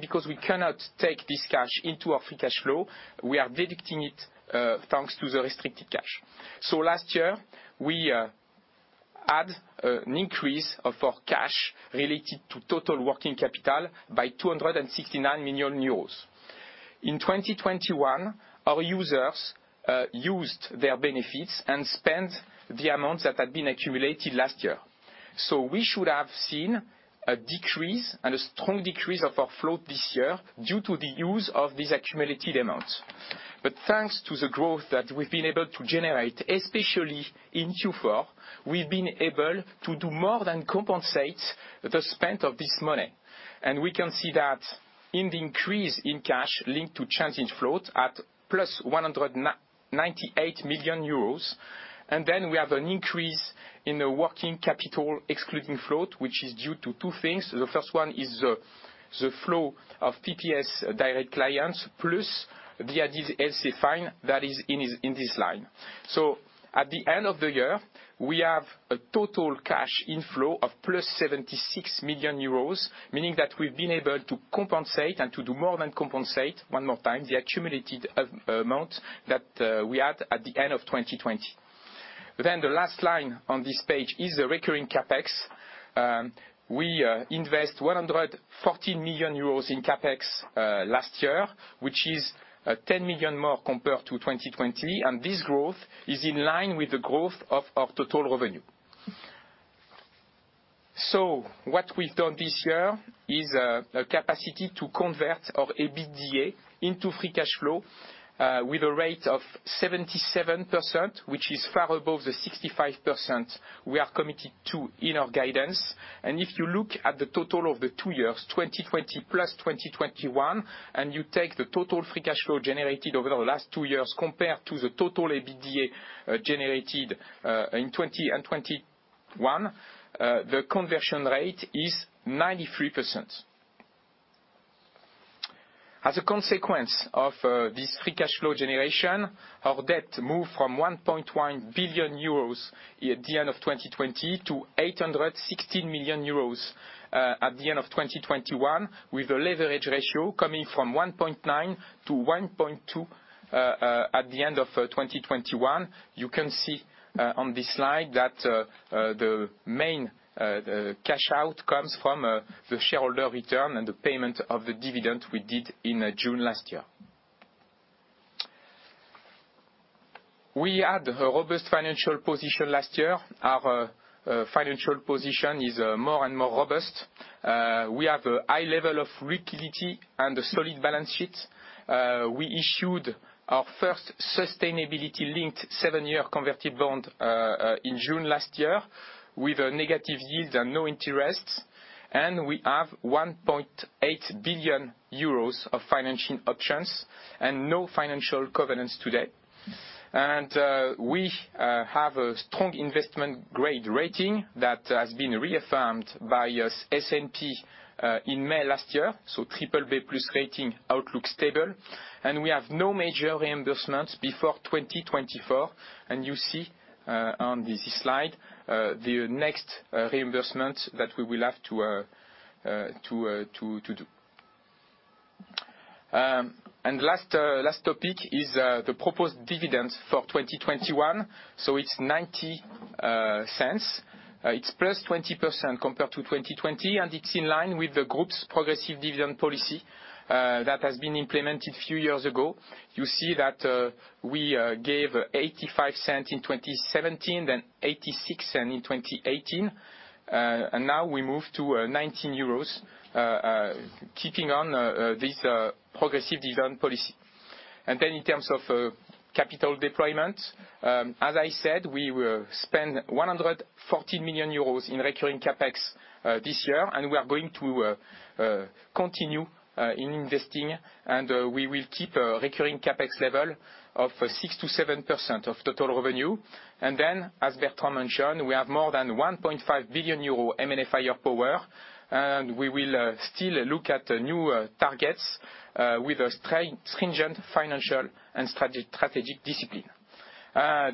Speaker 3: Because we cannot take this cash into our free cash flow, we are deducting it, thanks to the restricted cash. Last year we had an increase of our cash related to total working capital by 269 million euros. In 2021, our users used their benefits and spent the amounts that had been accumulated last year. We should have seen a decrease and a strong decrease of our float this year due to the use of these accumulated amounts. Thanks to the growth that we've been able to generate, especially in Q4, we've been able to do more than compensate the spend of this money. We can see that in the increase in cash linked to change in float at plus 198 million euros. We have an increase in the working capital, excluding float, which is due to two things. The first one is the flow of PPS direct clients, plus the ADLC fine that is in this line. At the end of the year, we have a total cash inflow of 76 million euros, meaning that we've been able to compensate and to do more than compensate, one more time, the accumulated amount that we had at the end of 2020. The last line on this page is the recurring CapEx. We invest 114 million euros in CapEx last year, which is 10 million more compared to 2020. This growth is in line with the growth of our total revenue. What we've done this year is a capacity to convert our EBITDA into free cash flow with a rate of 77%, which is far above the 65% we are committed to in our guidance. If you look at the total of the two years, 2020 plus 2021, and you take the total free cash flow generated over the last two years compared to the total EBITDA generated in 2020 and 2021, the conversion rate is 93%. As a consequence of this free cash flow generation, our debt moved from 1.1 billion euros at the end of 2020 to 860 million euros at the end of 2021, with a leverage ratio coming from 1.9-1.2 at the end of 2021. You can see on this slide that the main cash out comes from the shareholder return and the payment of the dividend we did in June last year. We had a robust financial position last year. Our financial position is more and more robust. We have a high level of liquidity and a solid balance sheet. We issued our first sustainability-linked seven-year converted bond in June last year with a negative yield and no interest. We have 1.8 billion euros of financial options and no financial covenants today. We have a strong investment-grade rating that has been reaffirmed by S&P in May last year, so BBB+ rating, outlook stable. We have no major reimbursements before 2024. You see on this slide the next reimbursement that we will have to do. Last topic is the proposed dividends for 2021. It's 0.90. It's +20% compared to 2020, and it's in line with the group's progressive dividend policy that has been implemented a few years ago. You see that we gave 0.85 in 2017, then 0.86 in 2018. Now we move to 0.90 euros keeping on this progressive dividend policy. In terms of capital deployment, as I said, we will spend 114 million euros in recurring CapEx this year, and we are going to continue investing, and we will keep a recurring CapEx level of 6%-7% of total revenue. As Bertrand mentioned, we have more than 1.5 billion euro M&A firepower, and we will still look at new targets with a stringent financial and strategic discipline.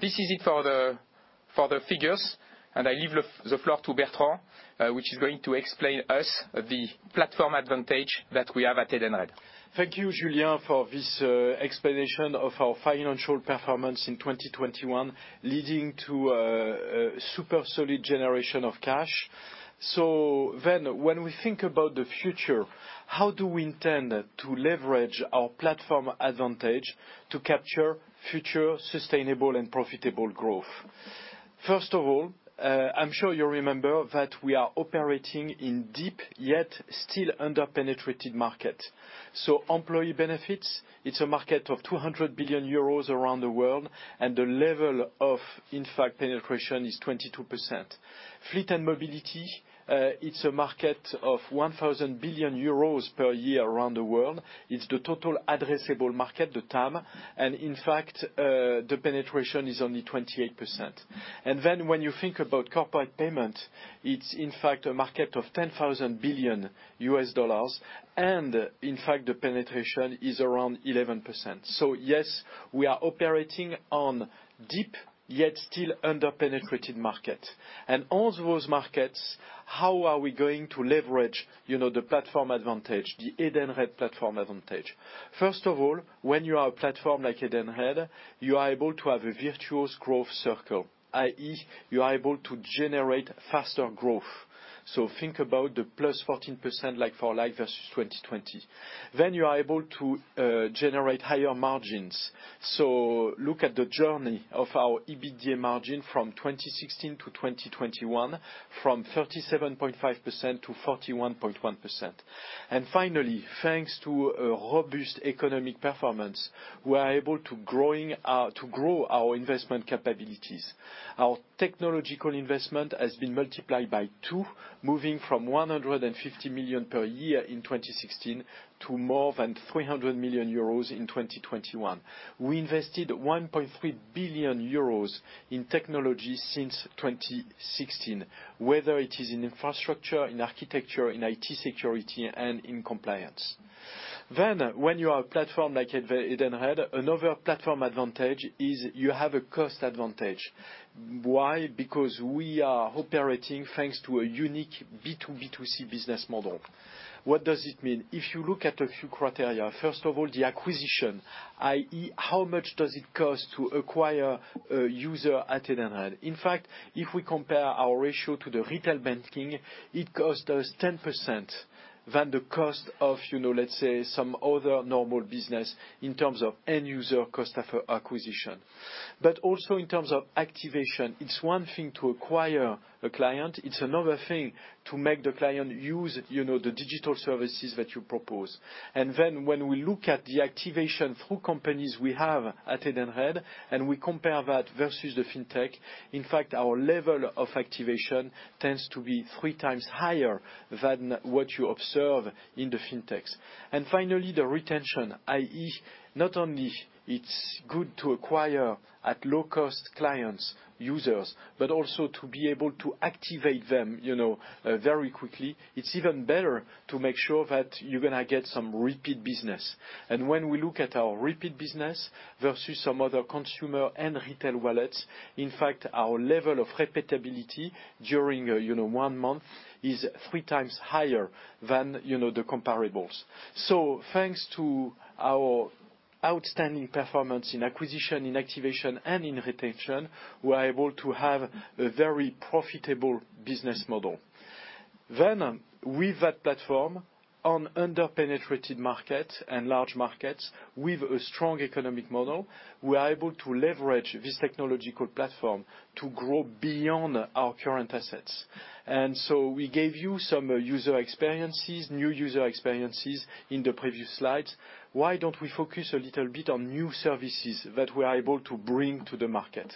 Speaker 3: This is it for the figures. I leave the floor to Bertrand, who is going to explain to us the platform advantage that we have at Edenred.
Speaker 1: Thank you, Julien, for this explanation of our financial performance in 2021, leading to a super solid generation of cash. When we think about the future, how do we intend to leverage our platform advantage to capture future sustainable and profitable growth? First of all, I'm sure you remember that we are operating in deep, yet still under-penetrated market. Employee benefits, it's a market of 200 billion euros around the world, and the level of, in fact, penetration is 22%. Fleet and mobility, it's a market of 1,000 billion euros per year around the world. It's the total addressable market, the TAM, and in fact, the penetration is only 28%. When you think about corporate payment, it's in fact a market of $10 trillion, and in fact, the penetration is around 11%. We are operating in a deep, yet still under-penetrated market. All those markets, how are we going to leverage, you know, the platform advantage, the Edenred platform advantage? First of all, when you are a platform like Edenred, you are able to have a virtuous growth circle, i.e. you are able to generate faster growth. Think about the +14%, like-for-like vs 2020. You are able to generate higher margins. Look at the journey of our EBITDA margin from 2016 to 2021, from 37.5% to 41.1%. Finally, thanks to a robust economic performance, we are able to grow our investment capabilities. Our technological investment has been multiplied by two, moving from 150 million per year in 2016 to more than 300 million euros in 2021. We invested 1.3 billion euros in technology since 2016, whether it is in infrastructure, in architecture, in IT security, and in compliance. When you are a platform like Edenred, another platform advantage is you have a cost advantage. Why? Because we are operating thanks to a unique B2B2C business model. What does it mean? If you look at a few criteria, first of all, the acquisition, i.e., how much does it cost to acquire a user at Edenred? In fact, if we compare our ratio to the retail banking, it costs us 10% than the cost of, you know, let's say, some other normal business in terms of end user cost of acquisition. Also in terms of activation, it's one thing to acquire a client, it's another thing to make the client use, you know, the digital services that you propose. Then when we look at the activation through companies we have at Edenred, and we compare that versus the fintech, in fact, our level of activation tends to be three times higher than what you observe in the fintechs. Finally, the retention, i.e., not only it's good to acquire at low cost clients, users, but also to be able to activate them, you know, very quickly. It's even better to make sure that you're gonna get some repeat business. When we look at our repeat business versus some other consumer and retail wallets, in fact, our level of repeatability during one month is three times higher than the comparables. Thanks to our outstanding performance in acquisition, in activation, and in retention, we're able to have a very profitable business model. With that platform on under-penetrated market and large markets with a strong economic model, we are able to leverage this technological platform to grow beyond our current assets. We gave you some user experiences, new user experiences in the previous slides. Why don't we focus a little bit on new services that we are able to bring to the market?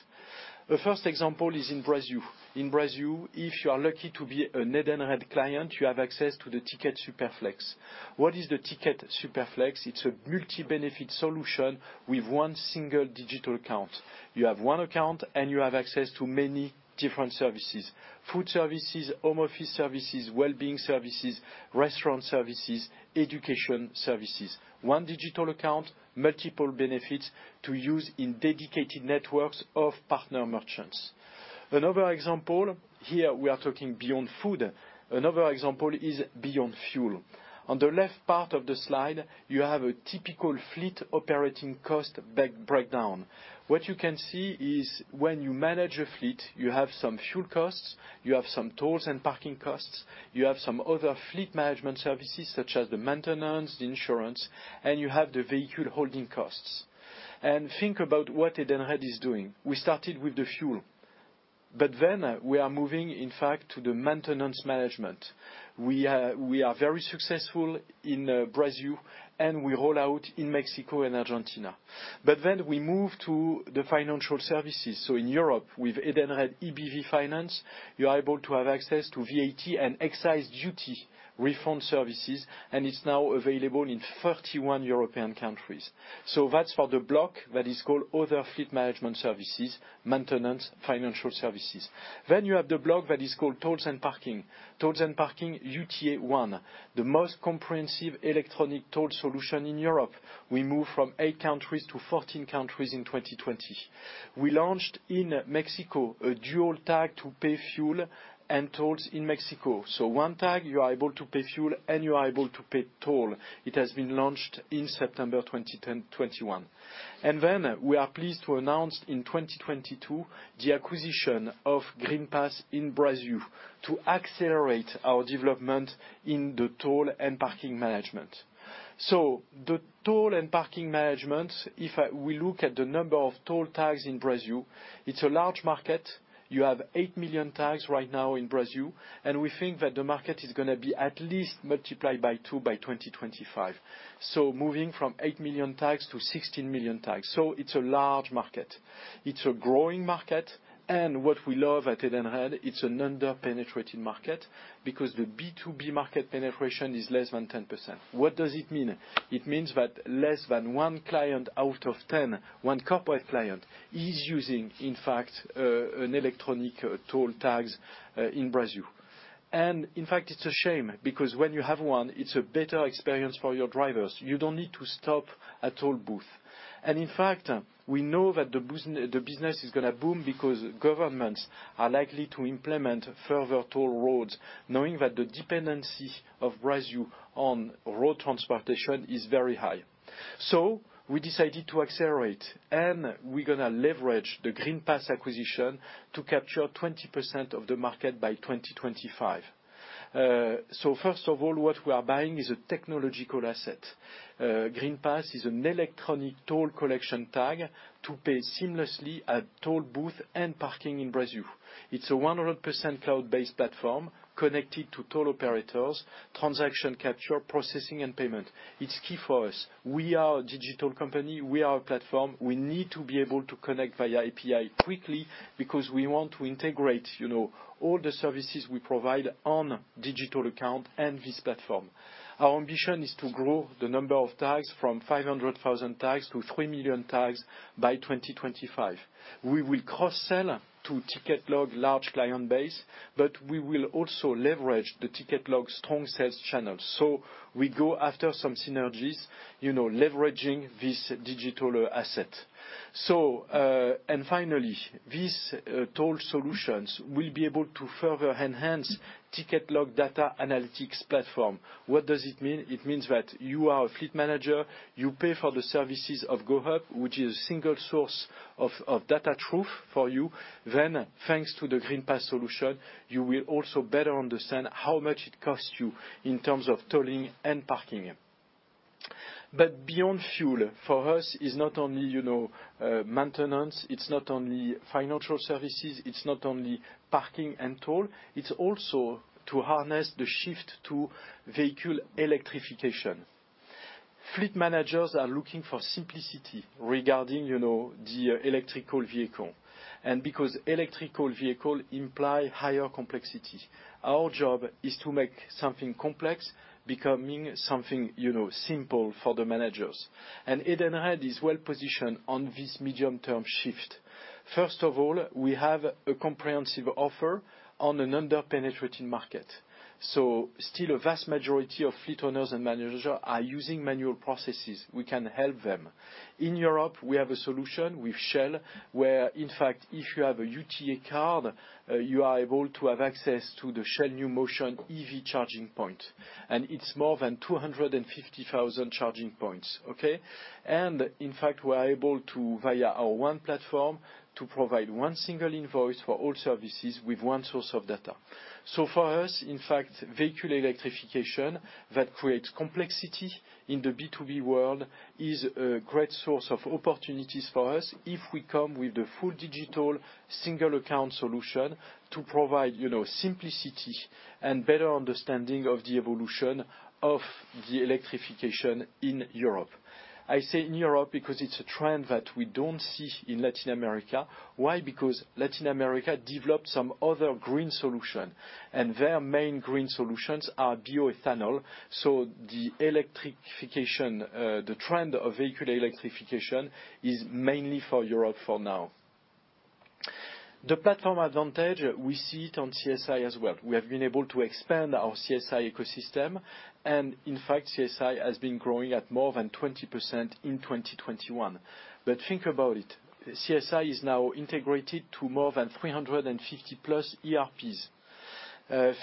Speaker 1: The first example is in Brazil. In Brazil, if you are lucky to be an Edenred client, you have access to the Ticket SuperFlex. What is the Ticket SuperFlex? It's a multi-benefit solution with one single digital account. You have one account, and you have access to many different services, food services, home office services, well-being services, restaurant services, education services. One digital account, multiple benefits to use in dedicated networks of partner merchants. Another example, here we are talking Beyond Food. Another example is Beyond Fuel. On the left part of the slide, you have a typical fleet operating cost breakdown. What you can see is when you manage a fleet, you have some fuel costs, you have some tolls and parking costs, you have some other fleet management services, such as the maintenance, the insurance, and you have the vehicle holding costs. Think about what Edenred is doing. We started with the fuel, but then we are moving, in fact, to the maintenance management. We are very successful in Brazil, and we roll out in Mexico and Argentina. We move to the financial services. In Europe, with Edenred EBV Finance, you are able to have access to VAT and excise duty refund services, and it's now available in 31 European countries. That's for the block that is called other fleet management services, maintenance, financial services. You have the block that is called tolls and parking, UTA One, the most comprehensive electronic toll solution in Europe. We move from eight countries to 14 countries in 2020. We launched in Mexico a dual tag to pay fuel and tolls in Mexico. One tag, you are able to pay fuel, and you are able to pay toll. It has been launched in September 2021. We are pleased to announce in 2022 the acquisition of Greenpass in Brazil to accelerate our development in the toll and parking management. The toll and parking management, if we look at the number of toll tags in Brazil, it's a large market. You have 8 million tags right now in Brazil, and we think that the market is gonna be at least multiplied by two by 2025. Moving from 8 million tags to 16 million tags. It's a large market. It's a growing market, and what we love at Edenred, it's an under-penetrated market because the B2B market penetration is less than 10%. What does it mean? It means that less than one client out of 10, one corporate client, is using, in fact, an electronic toll tags in Brazil. In fact, it's a shame because when you have one, it's a better experience for your drivers. You don't need to stop at toll booth. In fact, we know that the business is gonna boom because governments are likely to implement further toll roads, knowing that the dependency of Brazil on road transportation is very high. We decided to accelerate, and we're gonna leverage the Greenpass acquisition to capture 20% of the market by 2025. First of all, what we are buying is a technological asset. Greenpass is an electronic toll collection tag to pay seamlessly at toll booth and parking in Brazil. It's a 100% cloud-based platform connected to toll operators, transaction capture, processing, and payment. It's key for us. We are a digital company. We are a platform. We need to be able to connect via API quickly because we want to integrate, you know, all the services we provide on digital account and this platform. Our ambition is to grow the number of tags from 500,000 tags to 3 million tags by 2025. We will cross-sell to Ticket Log large client base, but we will also leverage the Ticket Log strong sales channels. We go after some synergies, you know, leveraging this digital asset. Finally, these toll solutions will be able to further enhance Ticket Log data analytics platform. What does it mean? It means that you are a fleet manager. You pay for the services of GoHub, which is a single source of data truth for you. Thanks to the Greenpass solution, you will also better understand how much it costs you in terms of tolling and parking. Beyond fuel, for us, it's not only, you know, maintenance, it's not only financial services, it's not only parking and toll, it's also to harness the shift to vehicle electrification. Fleet managers are looking for simplicity regarding, you know, the electric vehicle. Because electric vehicle imply higher complexity, our job is to make something complex becoming something, you know, simple for the managers. Edenred is well-positioned on this medium-term shift. First of all, we have a comprehensive offer on an under-penetrating market. Still a vast majority of fleet owners and managers are using manual processes. We can help them. In Europe, we have a solution with Shell where, in fact, if you have a UTA card, you are able to have access to the Shell NewMotion EV charging point, and it's more than 250,000 charging points. In fact, we're able to, via our one platform, to provide one single invoice for all services with one source of data. For us, in fact, vehicle electrification that creates complexity in the B2B world is a great source of opportunities for us if we come with the full digital single account solution to provide, you know, simplicity and better understanding of the evolution of the electrification in Europe. I say in Europe because it's a trend that we don't see in Latin America. Why? Because Latin America developed some other green solution, and their main green solutions are bioethanol. The electrification, the trend of vehicle electrification is mainly for Europe for now. The platform advantage, we see it on CSI as well. We have been able to expand our CSI ecosystem and in fact, CSI has been growing at more than 20% in 2021. Think about it, CSI is now integrated to more than 350+ ERPs.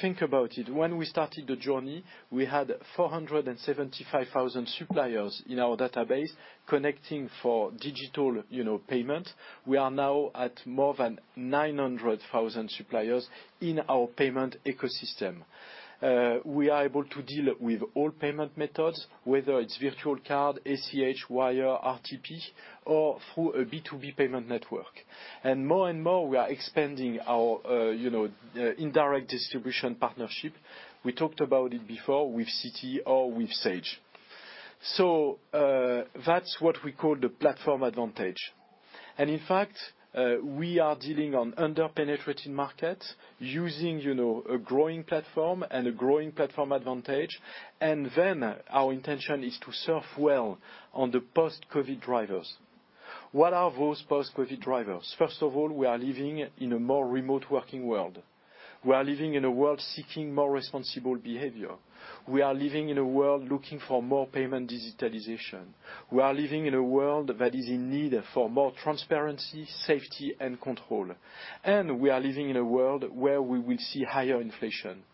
Speaker 1: Think about it. When we started the journey, we had 475,000 suppliers in our database connecting for digital, you know, payment. We are now at more than 900,000 suppliers in our payment ecosystem. We are able to deal with all payment methods, whether it's virtual card, ACH, wire, RTP, or through a B2B payment network. More and more, we are expanding our, you know, indirect distribution partnership. We talked about it before with CT or with Sage. That's what we call the platform advantage. In fact, we are dealing on underpenetrated markets using, you know, a growing platform and a growing platform advantage. Our intention is to surf well on the post-COVID drivers. What are those post-COVID drivers? First of all, we are living in a more remote working world. We are living in a world seeking more responsible behavior. We are living in a world looking for more payment digitalization. We are living in a world that is in need for more transparency, safety, and control. We are living in a world where we will see higher inflation.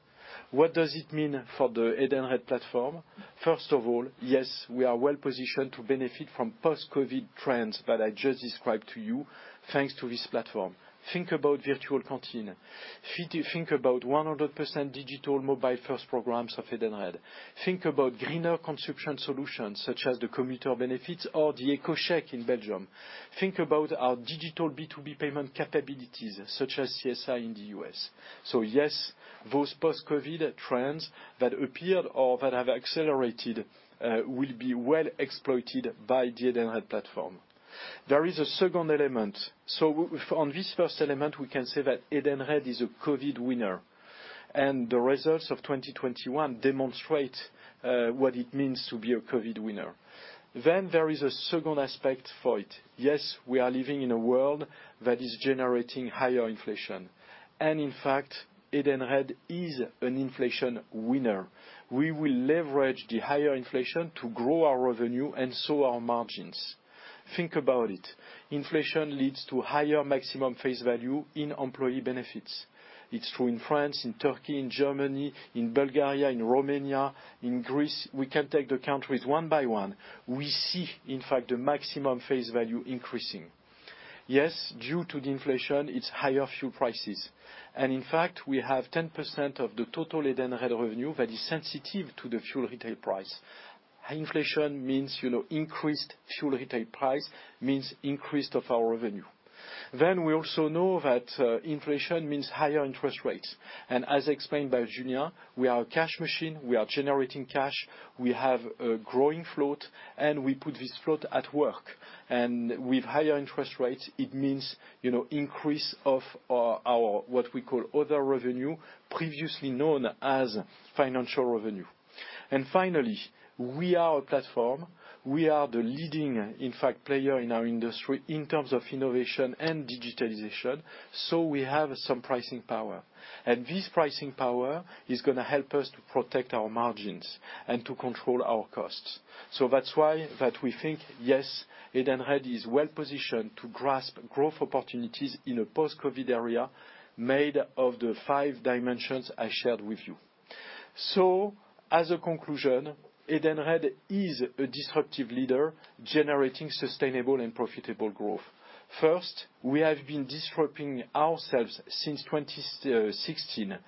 Speaker 1: What does it mean for the Edenred platform? First of all, yes, we are well-positioned to benefit from post-COVID trends that I just described to you thanks to this platform. Think about virtual canteen. Think about 100% digital mobile-first programs of Edenred. Think about greener consumption solutions, such as the commuter benefits or the EcoCheque in Belgium. Think about our digital B2B payment capabilities, such as CSI in the U.S. Yes, those post-COVID trends that appeared or that have accelerated will be well exploited by the Edenred platform. There is a second element. On this first element, we can say that Edenred is a COVID winner, and the results of 2021 demonstrate what it means to be a COVID winner. There is a second aspect for it. Yes, we are living in a world that is generating higher inflation. In fact, Edenred is an inflation winner. We will leverage the higher inflation to grow our revenue and so our margins. Think about it. Inflation leads to higher maximum face value in employee benefits. It's true in France, in Turkey, in Germany, in Bulgaria, in Romania, in Greece. We can take the countries one by one. We see, in fact, the maximum face value increasing. Yes, due to the inflation, it's higher fuel prices. In fact, we have 10% of the total Edenred revenue that is sensitive to the fuel retail price. Inflation means, you know, increased fuel retail price, means increase in our revenue. We also know that, inflation means higher interest rates. As explained by Julien, we are a cash machine, we are generating cash, we have a growing float, and we put this float at work. With higher interest rates, it means, you know, increase in our, what we call other revenue, previously known as financial revenue. Finally, we are a platform. We are the leading, in fact, player in our industry in terms of innovation and digitalization, so we have some pricing power. This pricing power is gonna help us to protect our margins and to control our costs. That's why we think, yes, Edenred is well-positioned to grasp growth opportunities in a post-COVID era made of the five dimensions I shared with you. As a conclusion, Edenred is a disruptive leader generating sustainable and profitable growth. First, we have been disrupting ourselves since 2016,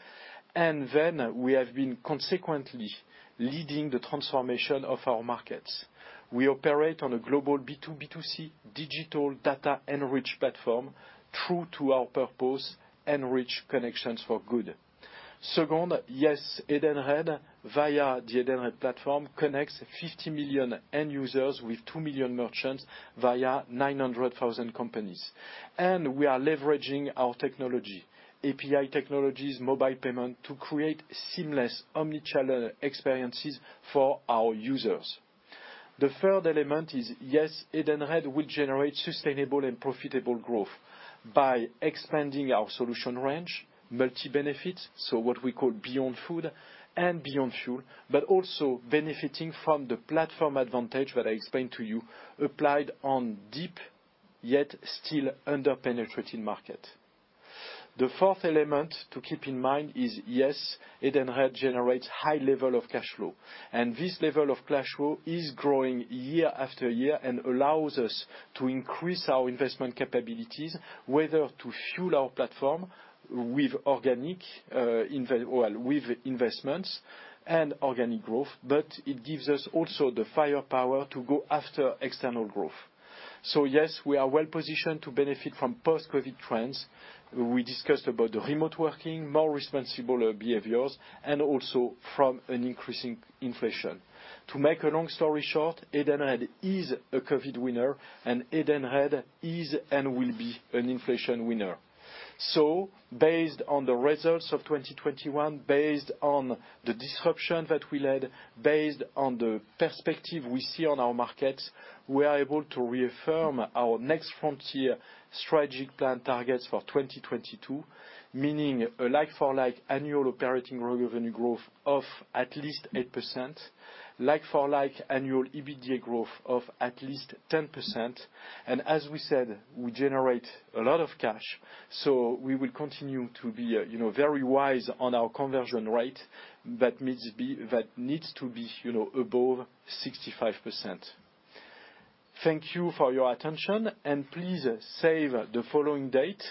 Speaker 1: and then we have been consequently leading the transformation of our markets. We operate on a global B2B2C digital data-enriched platform, true to our purpose, enrich connections for good. Second, yes, Edenred via the Edenred platform connects 50 million end users with 2 million merchants via 900,000 companies. We are leveraging our technology, API technologies, mobile payment, to create seamless omnichannel experiences for our users. The third element is, yes, Edenred will generate sustainable and profitable growth by expanding our solution range, multi-benefit, so what we call Beyond Food and Beyond Fuel, but also benefiting from the platform advantage that I explained to you, applied on deep, yet still under-penetrating market. The fourth element to keep in mind is, yes, Edenred generates high level of cash flow, and this level of cash flow is growing year after year and allows us to increase our investment capabilities, whether to fuel our platform with organic investments and organic growth, but it gives us also the firepower to go after external growth. Yes, we are well positioned to benefit from post-COVID trends. We discussed about the remote working, more responsible behaviors, and also from an increasing inflation. To make a long story short, Edenred is a COVID winner, and Edenred is and will be an inflation winner. Based on the results of 2021, based on the disruption that we led, based on the perspective we see on our markets, we are able to reaffirm our next frontier strategic plan targets for 2022. Meaning a like-for-like annual operating revenue growth of at least 8%, like-for-like annual EBITDA growth of at least 10%. As we said, we generate a lot of cash, so we will continue to be, you know, very wise on our conversion rate. That needs to be, you know, above 65%. Thank you for your attention, and please save the following date.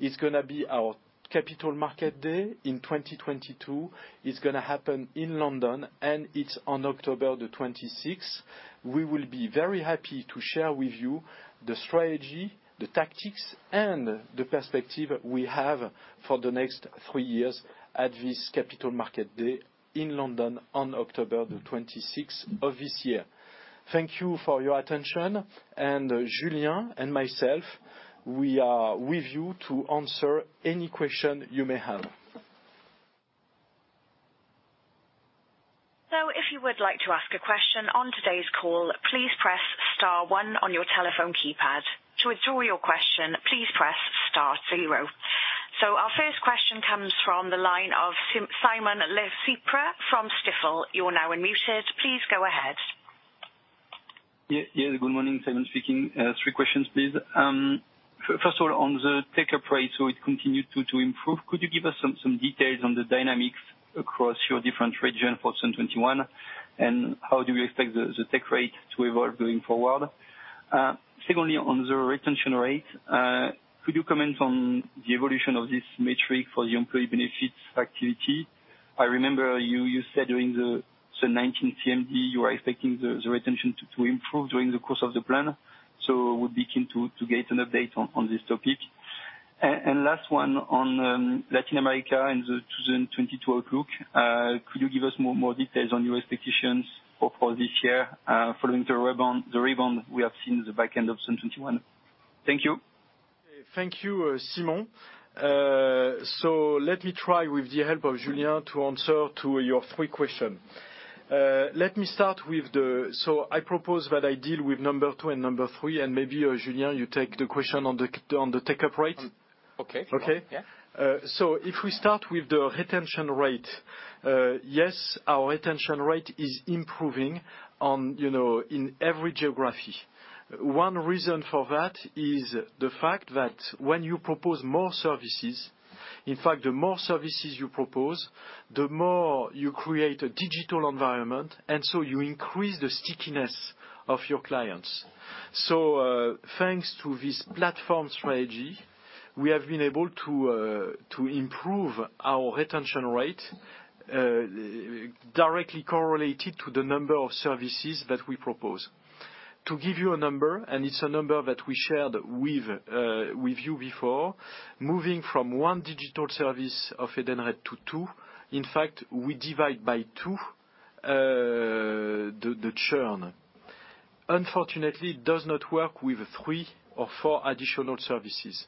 Speaker 1: It's gonna be our Capital Markets Day in 2022. It's gonna happen in London, and it's on October the 26th. We will be very happy to share with you the strategy, the tactics, and the perspective we have for the next three years at this Capital Markets Day in London on October 26th of this year. Thank you for your attention. Julien and myself, we are with you to answer any question you may have.
Speaker 4: If you would like to ask a question on today's call, please press star one on your telephone keypad. To withdraw your question, please press star zero. Our first question comes from the line of Simon Lechipre from Stifel. You're now unmuted. Please go ahead.
Speaker 5: Yeah. Yeah, good morning. Simon speaking. Three questions, please. First of all, on the take-up rate, so it continued to improve. Could you give us some details on the dynamics across your different regions for 2021, and how do you expect the take rate to evolve going forward? Secondly, on the retention rate, could you comment on the evolution of this metric for the employee benefits activity? I remember you said during the 2019 CMD you are expecting the retention to improve during the course of the plan. Would be keen to get an update on this topic. Last one on Latin America and the 2022 outlook. Could you give us more details on your expectations for this year, following the rebound we have seen in the back end of 2021? Thank you.
Speaker 1: Thank you, Simon. Let me try with the help of Julien to answer to your three question. Let me start with the. I propose that I deal with number two and number three, and maybe, Julien, you take the question on the take-up rate.
Speaker 3: Okay.
Speaker 1: Okay?
Speaker 3: Yeah.
Speaker 1: If we start with the retention rate. Yes, our retention rate is improving on, you know, in every geography. One reason for that is the fact that when you propose more services, in fact the more services you propose, the more you create a digital environment, and so you increase the stickiness of your clients. Thanks to this platform strategy, we have been able to improve our retention rate directly correlated to the number of services that we propose. To give you a number, and it's a number that we shared with you before, moving from one digital service of Edenred to two, in fact we divide by two the churn. Unfortunately, it does not work with three or four additional services.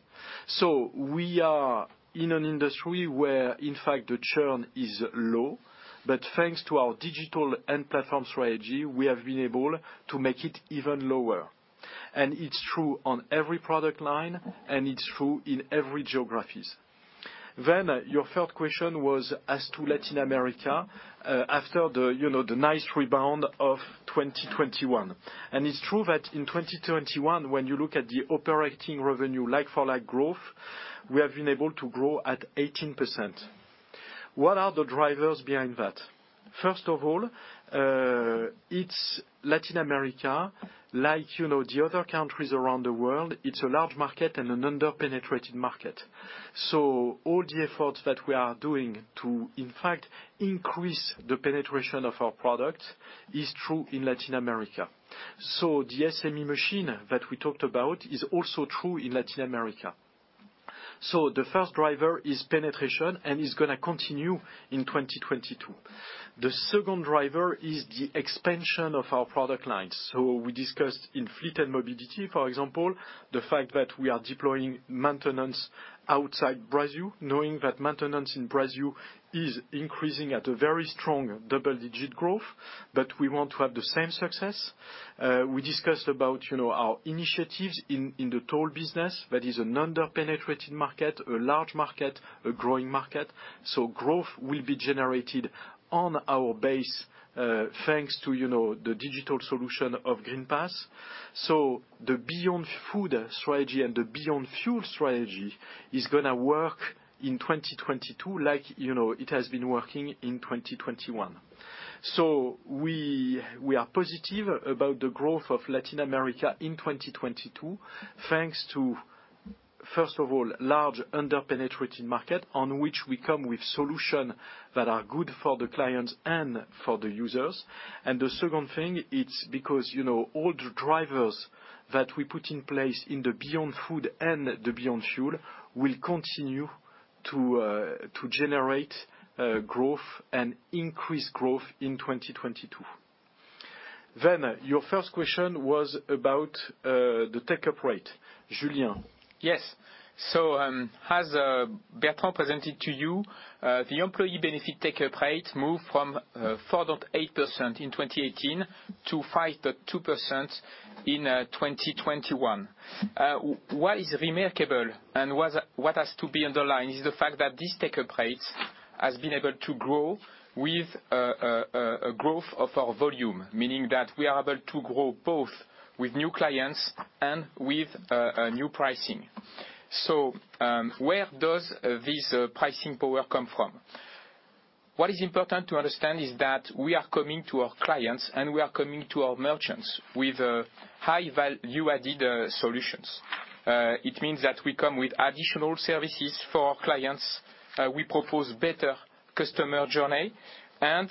Speaker 1: We are in an industry where, in fact, the churn is low. Thanks to our digital and platform strategy, we have been able to make it even lower. It's true on every product line, and it's true in every geography. Your third question was as to Latin America, after the nice rebound of 2021. It's true that in 2021, when you look at the operating revenue like-for-like growth, we have been able to grow at 18%. What are the drivers behind that? First of all, it's Latin America, like the other countries around the world, it's a large market and an under-penetrated market. All the efforts that we are doing to, in fact, increase the penetration of our product is true in Latin America. The SME machine that we talked about is also true in Latin America. The first driver is penetration, and it's gonna continue in 2022. The second driver is the expansion of our product lines. We discussed in fleet and mobility, for example, the fact that we are deploying maintenance outside Brazil, knowing that maintenance in Brazil is increasing at a very strong double-digit growth. We want to have the same success. We discussed about, you know, our initiatives in the toll business. That is an under-penetrated market, a large market, a growing market. Growth will be generated on our base, thanks to, you know, the digital solution of Greenpass. The Beyond Food strategy and the Beyond Fuel strategy is gonna work in 2022 like, you know, it has been working in 2021. We are positive about the growth of Latin America in 2022, thanks to first of all, a large under-penetrated market on which we come with solutions that are good for the clients and for the users. The second thing, it's because, you know, all the drivers that we put in place in the Beyond Food and the Beyond Fuel will continue to generate growth and increase growth in 2022. Your first question was about the take-up rate. Julien?
Speaker 3: Yes. As Bertrand presented to you, the employee benefit take-up rate moved from 4.8% in 2018 to 5.2% in 2021. What is remarkable and what has to be underlined is the fact that this take-up rate has been able to grow with a growth of our volume, meaning that we are able to grow both with new clients and with new pricing. Where does this pricing power come from? What is important to understand is that we are coming to our clients, and we are coming to our merchants with high value added solutions. It means that we come with additional services for our clients. We propose better customer journey, and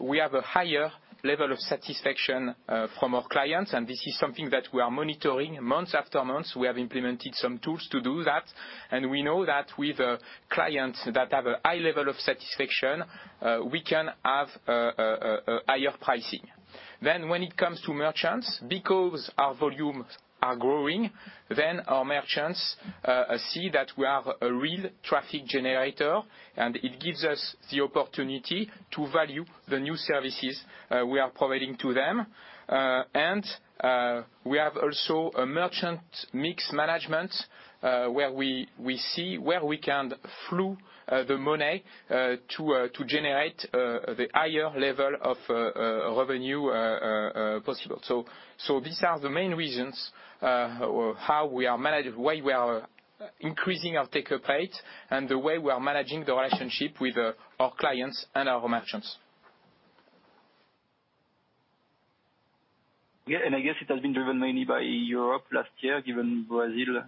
Speaker 3: we have a higher level of satisfaction from our clients, and this is something that we are monitoring month after month. We have implemented some tools to do that, and we know that with clients that have a high level of satisfaction, we can have a higher pricing. When it comes to merchants, because our volumes are growing, our merchants see that we are a real traffic generator, and it gives us the opportunity to value the new services we are providing to them. We have also a merchant mix management, where we see where we can flow the money to generate the higher level of revenue possible. These are the main reasons the way we are increasing our take-up rate and the way we are managing the relationship with our clients and our merchants.
Speaker 5: Yeah, I guess it has been driven mainly by Europe last year, given Brazil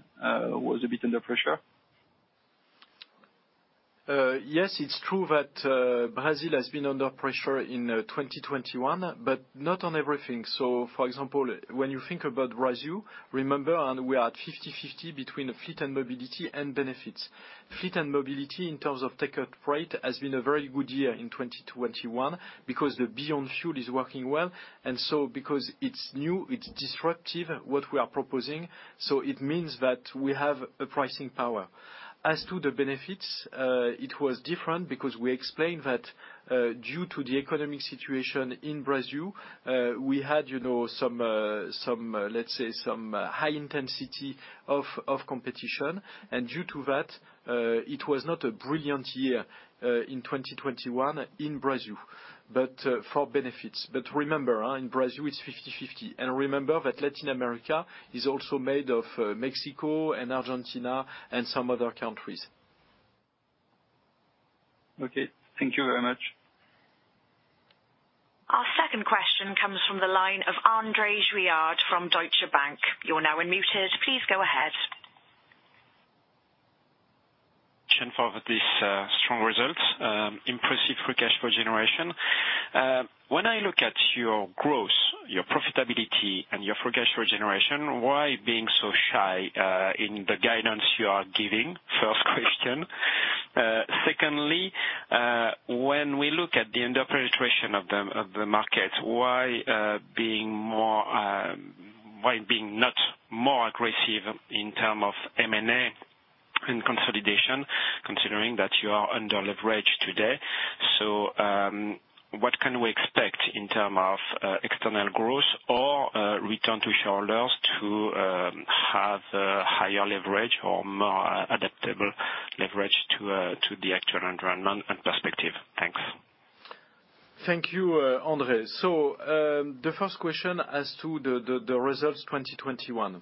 Speaker 5: was a bit under pressure.
Speaker 1: Yes, it's true that Brazil has been under pressure in 2021, but not on everything. For example, when you think about Brazil, remember, we are at 50/50 between fleet and mobility and benefits. Fleet and mobility in terms of take-up rate has been a very good year in 2021 because the Beyond Fuel is working well. Because it's new, it's disruptive what we are proposing, so it means that we have a pricing power. As to the benefits, it was different because we explained that due to the economic situation in Brazil, we had, you know, some high intensity of competition. Due to that, it was not a brilliant year in 2021 in Brazil, but for benefits. Remember, in Brazil, it's 50/50. Remember that Latin America is also made of Mexico and Argentina and some other countries.
Speaker 5: Okay, thank you very much.
Speaker 4: Our second question comes from the line of André Juillard from Deutsche Bank. You are now unmuted. Please go ahead.
Speaker 6: Strong results, impressive free cash flow generation. When I look at your growth, your profitability, and your free cash flow generation, why being so shy in the guidance you are giving? First question. Secondly, when we look at the under-penetration of the markets, why being not more aggressive in terms of M&A and consolidation, considering that you are underleveraged today? What can we expect in terms of external growth or return to shareholders to have higher leverage or more adaptable leverage to the actual environment and perspective? Thanks.
Speaker 1: Thank you, André. The first question as to the results 2021.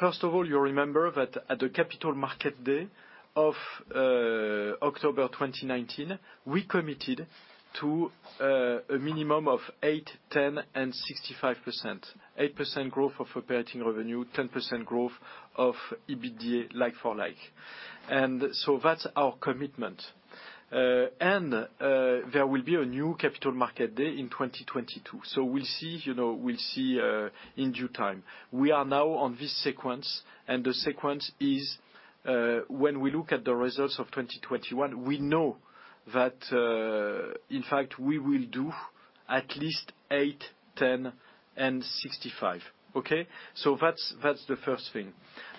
Speaker 1: First of all, you remember that at the Capital Markets Day of October 2019, we committed to a minimum of 8%, 10%, and 65%. 8% growth of operating revenue, 10% growth of EBITDA like-for-like. That's our commitment. There will be a new Capital Markets Day in 2022. We'll see, you know, we'll see in due time. We are now on this sequence, and the sequence is when we look at the results of 2021, we know that in fact, we will do at least 8%, 10%, and 65%. Okay? That's the first thing.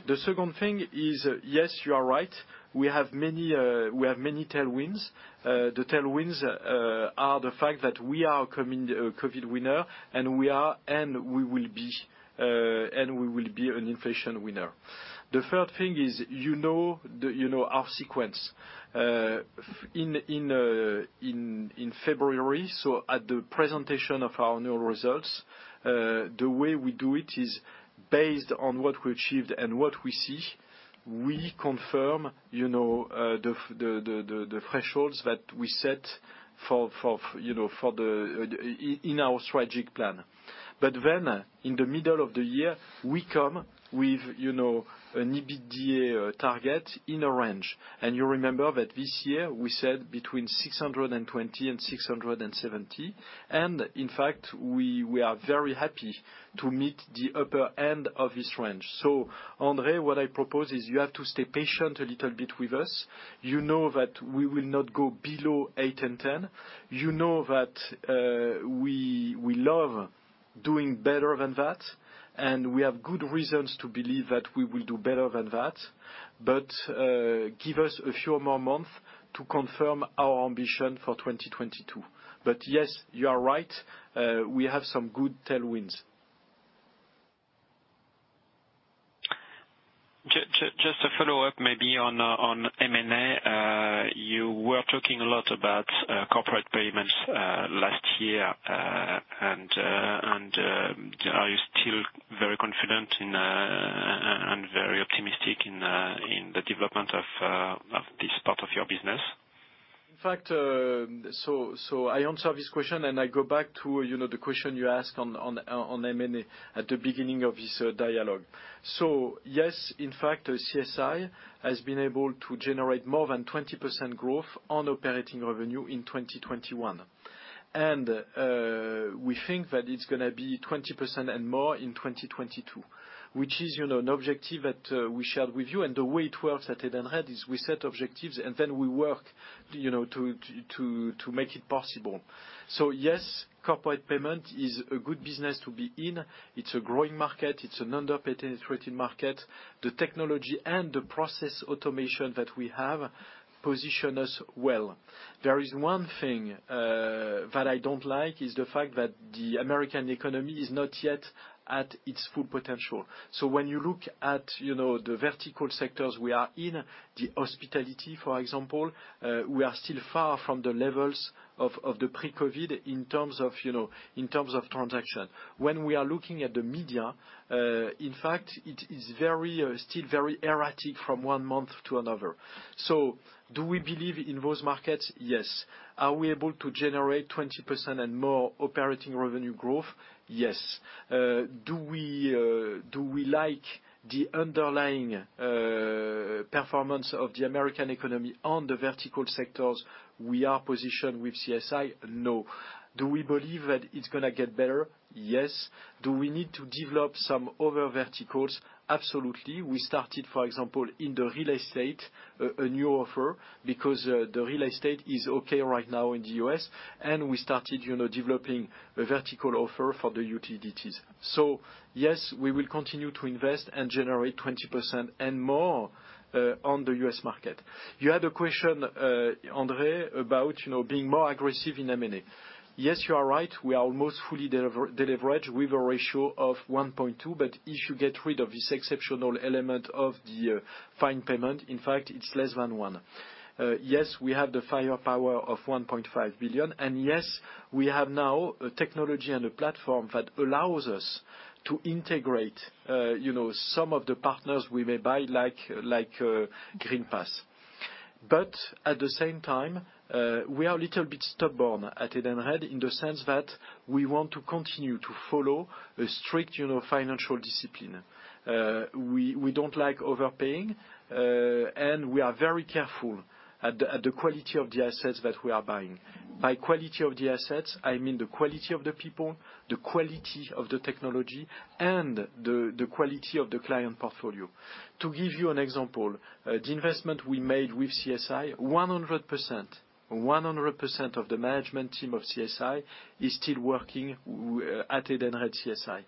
Speaker 1: The second thing is, yes, you are right. We have many tailwinds. The tailwinds are the fact that we are a COVID winner, and we will be an inflation winner. The third thing is, you know our sequence. In February, so at the presentation of our annual results, the way we do it is based on what we achieved and what we see, we confirm, you know, the thresholds that we set for you know in our strategic plan. In the middle of the year, we come with, you know, an EBITDA target in a range. You remember that this year we said between 620 and 670. In fact, we are very happy to meet the upper end of this range. André, what I propose is you have to stay patient a little bit with us. You know that we will not go below 8% and 10%. You know that we love doing better than that, and we have good reasons to believe that we will do better than that. Give us a few more months to confirm our ambition for 2022. Yes, you are right. We have some good tailwinds.
Speaker 6: Just a follow-up maybe on M&A. You were talking a lot about corporate payments last year. Are you still very confident in and very optimistic in the development of this part of your business?
Speaker 1: In fact, I answer this question and I go back to, you know, the question you asked on M&A at the beginning of this dialogue. Yes, in fact, CSI has been able to generate more than 20% growth on operating revenue in 2021. We think that it's gonna be 20% and more in 2022, which is, you know, an objective that we shared with you. The way it works at Edenred is we set objectives, and then we work, you know, to make it possible. Yes, corporate payment is a good business to be in. It's a growing market. It's an under-penetrated market. The technology and the process automation that we have position us well. There is one thing that I don't like, is the fact that the American economy is not yet at its full potential. When you look at, you know, the vertical sectors we are in, the hospitality, for example, we are still far from the levels of the pre-COVID in terms of, you know, in terms of transaction. When we are looking at the media, in fact, it is very still very erratic from one month to another. Do we believe in those markets? Yes. Are we able to generate 20% and more operating revenue growth? Yes. Do we like the underlying performance of the American economy on the vertical sectors we are positioned with CSI? No. Do we believe that it's gonna get better? Yes. Do we need to develop some other verticals? Absolutely. We started, for example, in the real estate, a new offer because the real estate is okay right now in the U.S., and we started, you know, developing a vertical offer for the utilities. Yes, we will continue to invest and generate 20% and more on the U.S. market. You had a question, André, about, you know, being more aggressive in M&A. Yes, you are right. We are almost fully deleveraged with a ratio of 1:2, but if you get rid of this exceptional element of the fine payment, in fact it's less than one. Yes, we have the firepower of 1.5 billion. Yes, we have now a technology and a platform that allows us to integrate, you know, some of the partners we may buy, like Greenpass. At the same time, we are a little bit stubborn at Edenred in the sense that we want to continue to follow a strict, you know, financial discipline. We don't like overpaying, and we are very careful at the quality of the assets that we are buying. By quality of the assets, I mean the quality of the people, the quality of the technology, and the quality of the client portfolio. To give you an example, the investment we made with CSI, 100% of the management team of CSI is still working at Edenred CSI,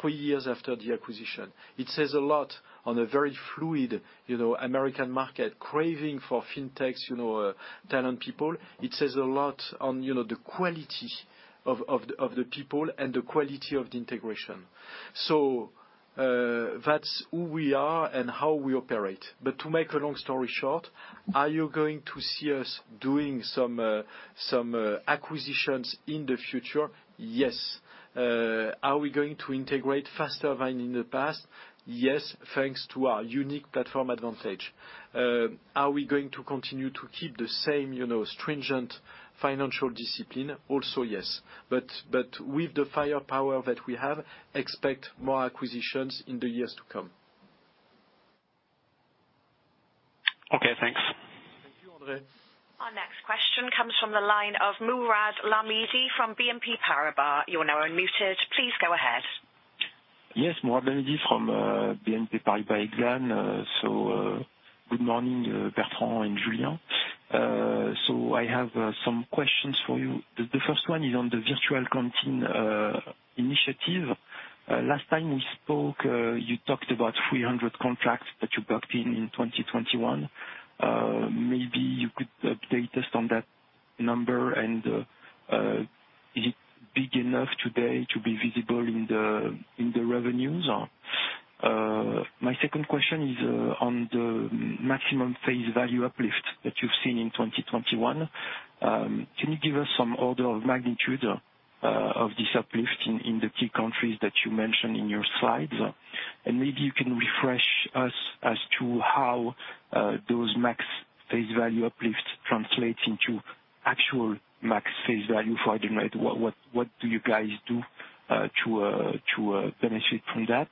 Speaker 1: three years after the acquisition. It says a lot on a very fluid, you know, American market craving for fintechs, you know, talent people. It says a lot about, you know, the quality of the people and the quality of the integration. That's who we are and how we operate. To make a long story short, are you going to see us doing some acquisitions in the future? Yes. Are we going to integrate faster than in the past? Yes, thanks to our unique platform advantage. Are we going to continue to keep the same, you know, stringent financial discipline? Also yes. With the firepower that we have, expect more acquisitions in the years to come.
Speaker 6: Okay, thanks.
Speaker 1: Thank you, André.
Speaker 4: Our next question comes from the line of Mourad Lahmidi from BNP Paribas. You are now unmuted. Please go ahead.
Speaker 7: Mourad Lahmidi from BNP Paribas Exane. Good morning, Bertrand and Julien. I have some questions for you. The first one is on the virtual canteen initiative. Last time we spoke, you talked about 300 contracts that you booked in 2021. Maybe you could update us on that number and is it big enough today to be visible in the revenues? My second question is on the maximum face value uplift that you have seen in 2021. Can you give us some order of magnitude of this uplift in the key countries that you mentioned in your slides? Maybe you can refresh us as to how those max face value uplifts translate into actual max face value for Edenred. What do you guys do to benefit from that?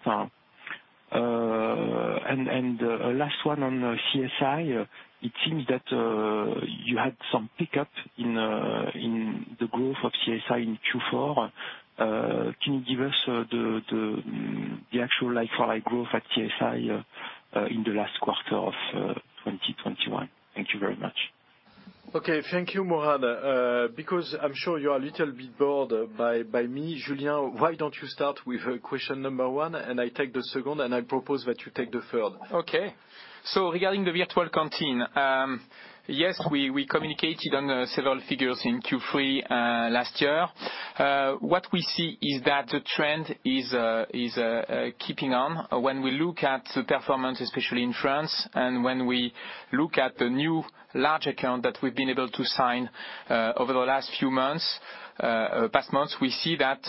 Speaker 7: Last one on CSI. It seems that you had some pickup in the growth of CSI in Q4. Can you give us the actual like-for-like growth at CSI in the last quarter of 2021? Thank you very much.
Speaker 1: Okay. Thank you, Mourad. Because I'm sure you are a little bit bored by me, Julien, why don't you start with question number one, and I take the second, and I propose that you take the third.
Speaker 3: Okay. Regarding the virtual canteen, yes, we communicated on several figures in Q3 last year. What we see is that the trend is keeping on. When we look at the performance, especially in France, and when we look at the new large account that we've been able to sign over the last few months, past months, we see that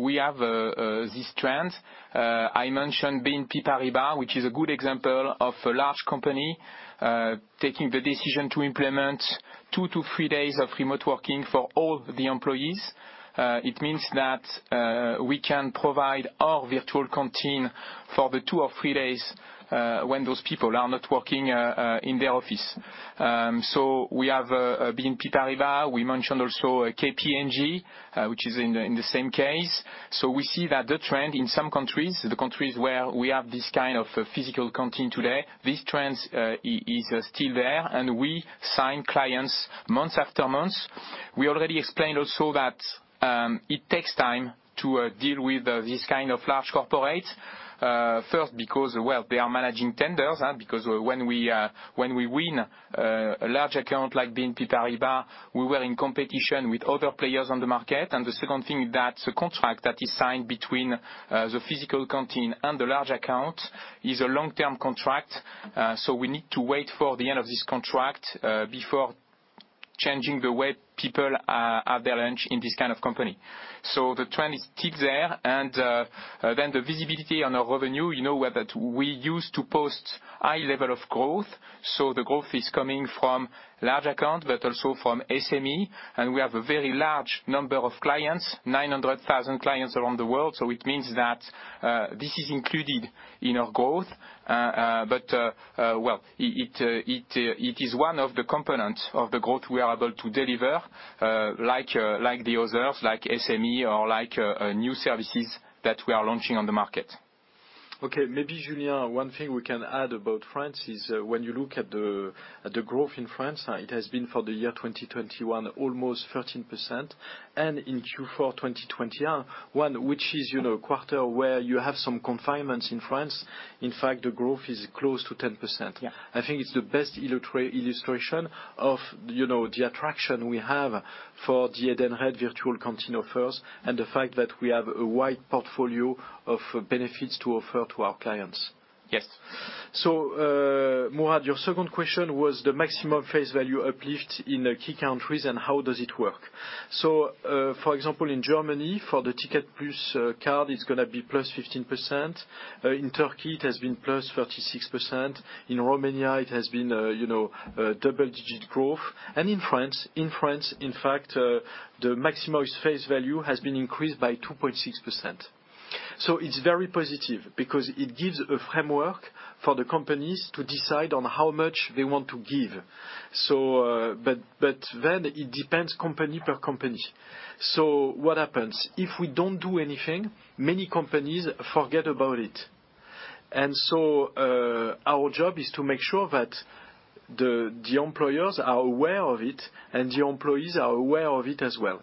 Speaker 3: we have this trend. I mentioned BNP Paribas, which is a good example of a large company taking the decision to implement two to three days of remote working for all the employees. It means that we can provide our virtual canteen for the two to three days when those people are not working in their office. We have BNP Paribas. We mentioned also KPMG, which is in the same case. We see that the trend in some countries, the countries where we have this kind of physical canteen today, this trend is still there, and we sign clients months after months. We already explained also that it takes time to deal with this kind of large corporates, first because, well, they are managing tenders. Because when we win a large account like BNP Paribas, we were in competition with other players on the market. The second thing, that contract that is signed between the physical canteen and the large account is a long-term contract, so we need to wait for the end of this contract before changing the way people have their lunch in this kind of company. The trend is still there. The visibility on our revenue, you know, whether we used to post high level of growth, the growth is coming from large account but also from SME, and we have a very large number of clients, 900,000 clients around the world, so it means that, this is included in our growth. But, well, it is one of the components of the growth we are able to deliver, like the others, like SME or like new services that we are launching on the market.
Speaker 1: Okay. Maybe, Julien, one thing we can add about France is when you look at the growth in France, it has been for the year 2021 almost 13%, and in Q4 2021 which is quarter where you have some confinements in France, in fact, the growth is close to 10%.
Speaker 3: Yeah.
Speaker 1: I think it's the best illustration of, you know, the attraction we have for the Edenred virtual canteen offers and the fact that we have a wide portfolio of benefits to offer to our clients.
Speaker 3: Yes.
Speaker 1: Mourad, your second question was the maximum face value uplift in the key countries and how does it work. For example, in Germany for the Ticket Plus card, it's gonna be plus 15%. In Turkey it has been plus 36%. In Romania it has been, you know, double-digit growth. And in France, in fact, the maximum face value has been increased by 2.6%. It's very positive because it gives a framework for the companies to decide on how much they want to give. But then it depends company per company. What happens? If we don't do anything, many companies forget about it. Our job is to make sure that the employers are aware of it and the employees are aware of it as well.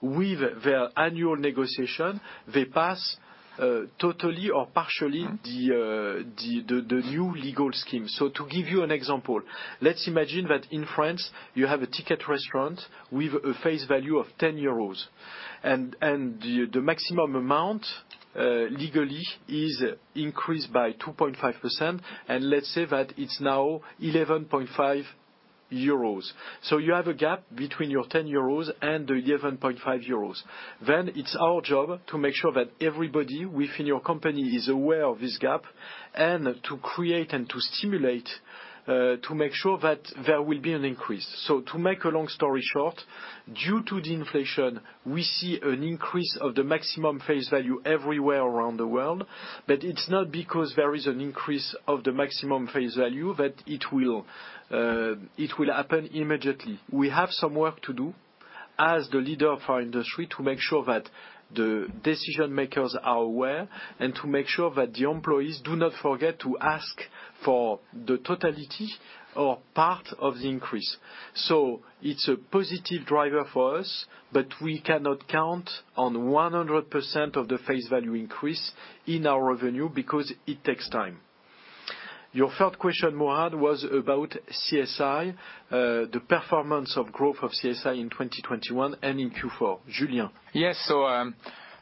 Speaker 1: with their annual negotiation, they pass totally or partially.
Speaker 3: Mm-hmm.
Speaker 1: The new legal scheme. To give you an example, let's imagine that in France you have a Ticket Restaurant with a face value of 10 euros, and the maximum amount legally is increased by 2.5%, and let's say that it's now 11.5 euros. You have a gap between your 10 euros and the 11.5 euros. It's our job to make sure that everybody within your company is aware of this gap and to create and to stimulate to make sure that there will be an increase. To make a long story short, due to the inflation, we see an increase of the maximum face value everywhere around the world, but it's not because there is an increase of the maximum face value that it will happen immediately. We have some work to do as the leader of our industry to make sure that the decision-makers are aware and to make sure that the employees do not forget to ask for the totality or part of the increase. It's a positive driver for us, but we cannot count on 100% of the face value increase in our revenue because it takes time. Your third question, Mourad, was about CSI, the performance of growth of CSI in 2021 and in Q4. Julien.
Speaker 3: Yes.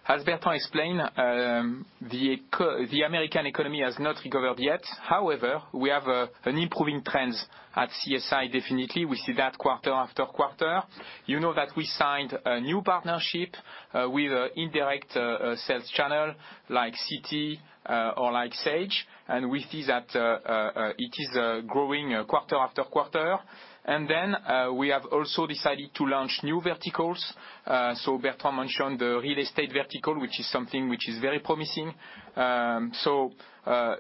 Speaker 3: As Bertrand explained, the American economy has not recovered yet. However, we have improving trends at CSI, definitely. We see that quarter after quarter. You know that we signed a new partnership with an indirect sales channel like Citi or like Sage. We see that it is growing quarter after quarter. We have also decided to launch new verticals. Bertrand mentioned the real estate vertical, which is something which is very promising.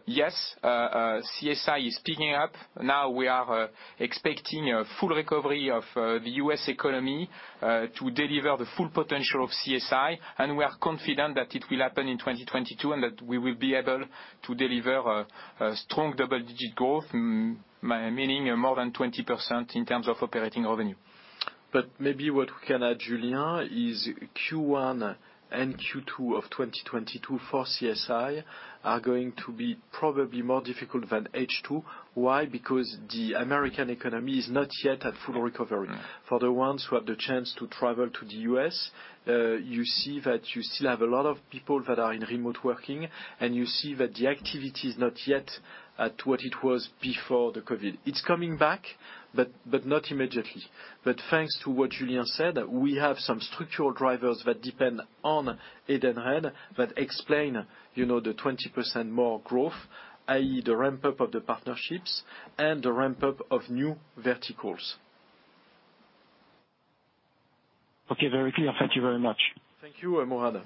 Speaker 3: Yes, CSI is picking up. Now we are expecting a full recovery of the U.S. economy to deliver the full potential of CSI, and we are confident that it will happen in 2022, and that we will be able to deliver a strong double-digit growth, meaning more than 20% in terms of operating revenue.
Speaker 1: Maybe what we can add, Julien, is Q1 and Q2 of 2022 for CSI are going to be probably more difficult than H2. Why? Because the American economy is not yet at full recovery. For the ones who have the chance to travel to the U.S., you see that you still have a lot of people that are in remote working, and you see that the activity is not yet at what it was before the COVID. It's coming back, but not immediately. Thanks to what Julien said, we have some structural drivers that depend on Edenred that explain, you know, the 20% more growth, i.e., the ramp-up of the partnerships and the ramp-up of new verticals.
Speaker 7: Okay, very clear. Thank you very much.
Speaker 1: Thank you, Mourad.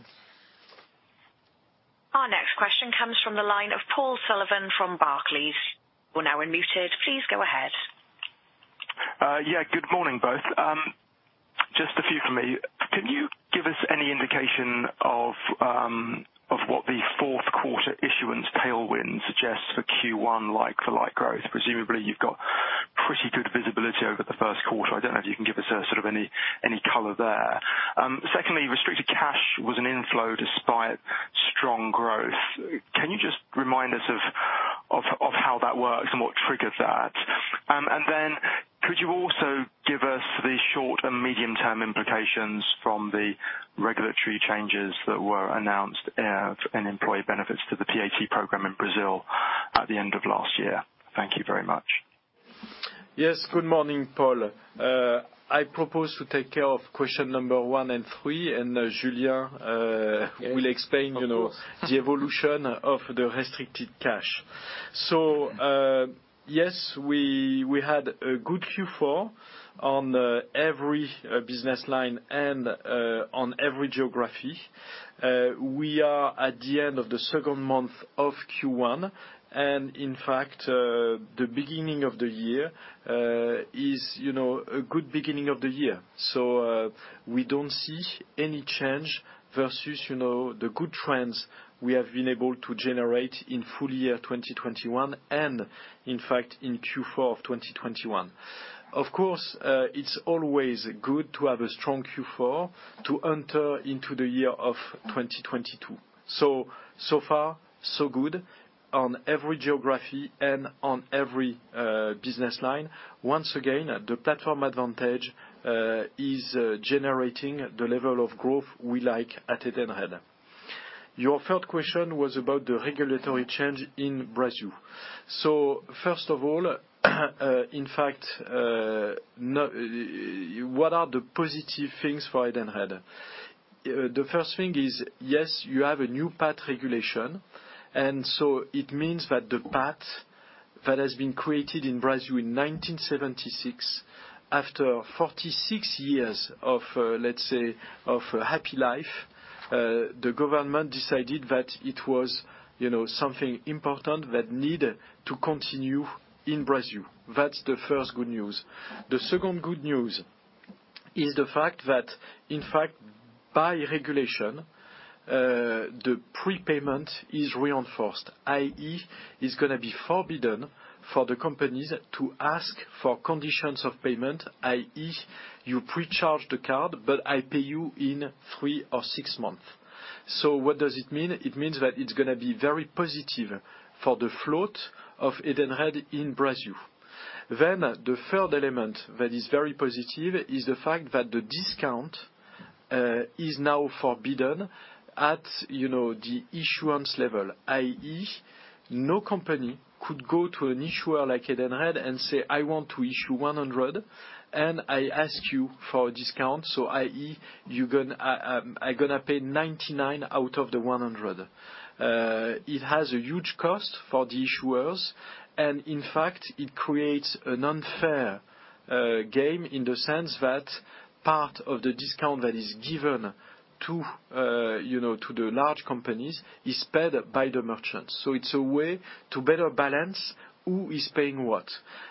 Speaker 4: Our next question comes from the line of Paul Sullivan from Barclays. You're now unmuted. Please go ahead.
Speaker 8: Yeah, good morning, both. Just a few from me. Can you give us any indication of what the fourth quarter issuance tailwind suggests for Q1 like-for-like growth? Presumably, you've got pretty good visibility over the first quarter. I don't know if you can give us sort of any color there. Secondly, restricted cash was an inflow despite strong growth. Can you just remind us of how that works and what triggered that? Then could you also give us the short- and medium-term implications from the regulatory changes that were announced in employee benefits to the PAT program in Brazil at the end of last year? Thank you very much.
Speaker 1: Yes, good morning, Paul. I propose to take care of question number one and three, and, Julien, will explain.
Speaker 3: Of course.
Speaker 1: You know, the evolution of the restricted cash. Yes, we had a good Q4 on every business line and on every geography. We are at the end of the second month of Q1, and in fact, the beginning of the year is, you know, a good beginning of the year. We don't see any change versus, you know, the good trends we have been able to generate in full year 2021 and in fact in Q4 of 2021. Of course, it's always good to have a strong Q4 to enter into the year of 2022. So far so good on every geography and on every business line. Once again, the platform advantage is generating the level of growth we like at Edenred. Your third question was about the regulatory change in Brazil. First of all, in fact, what are the positive things for Edenred? The first thing is, yes, you have a new PAT regulation, and so it means that the PAT that has been created in Brazil in 1976, after 46 years of, let's say, of happy life, the government decided that it was, you know, something important that needed to continue in Brazil. That's the first good news. The second good news is the fact that, in fact, by regulation, the prepayment is reinforced, i.e. it's gonna be forbidden for the companies to ask for conditions of payment, i.e. you pre-charge the card, but I pay you in three or six months. What does it mean? It means that it's gonna be very positive for the float of Edenred in Brazil. The third element that is very positive is the fact that the discount is now forbidden at, you know, the issuance level, i.e. no company could go to an issuer like Edenred and say, "I want to issue 100, and I ask you for a discount," so i.e. I'm gonna pay 99 out of the 100. It has a huge cost for the issuers, and in fact, it creates an unfair game in the sense that part of the discount that is given to, you know, to the large companies is paid by the merchants. It's a way to better balance who is paying what.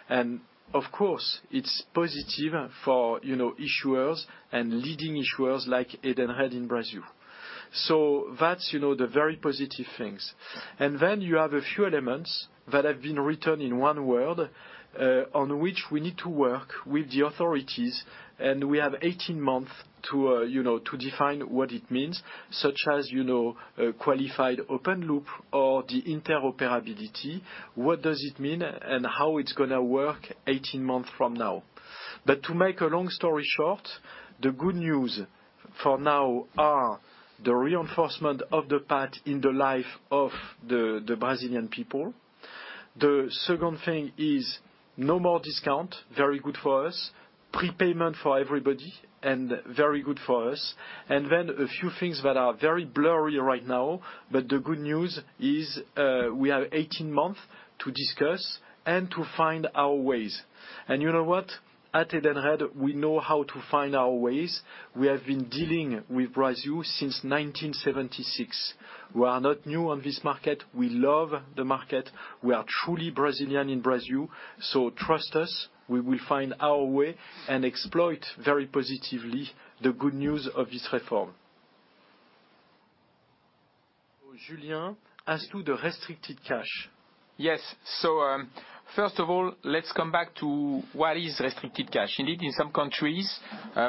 Speaker 1: Of course, it's positive for, you know, issuers and leading issuers like Edenred in Brazil. That's, you know, the very positive things. Then you have a few elements that have been written in one word, on which we need to work with the authorities, and we have 18 months to, you know, to define what it means, such as, you know, a qualified open loop or the interoperability. What does it mean, and how it's gonna work 18 months from now? To make a long story short, the good news for now are the reinforcement of the PAT in the life of the Brazilian people. The second thing is no more discount, very good for us. Prepayment for everybody and very good for us. Then a few things that are very blurry right now, but the good news is, we have 18 months to discuss and to find our ways. You know what? At Edenred we know how to find our ways. We have been dealing with Brazil since 1976. We are not new on this market. We love the market. We are truly Brazilian in Brazil. Trust us, we will find our way and exploit very positively the good news of this reform. Julien, as to the restricted cash.
Speaker 3: Yes. First of all, let's come back to what is restricted cash. Indeed, in some countries,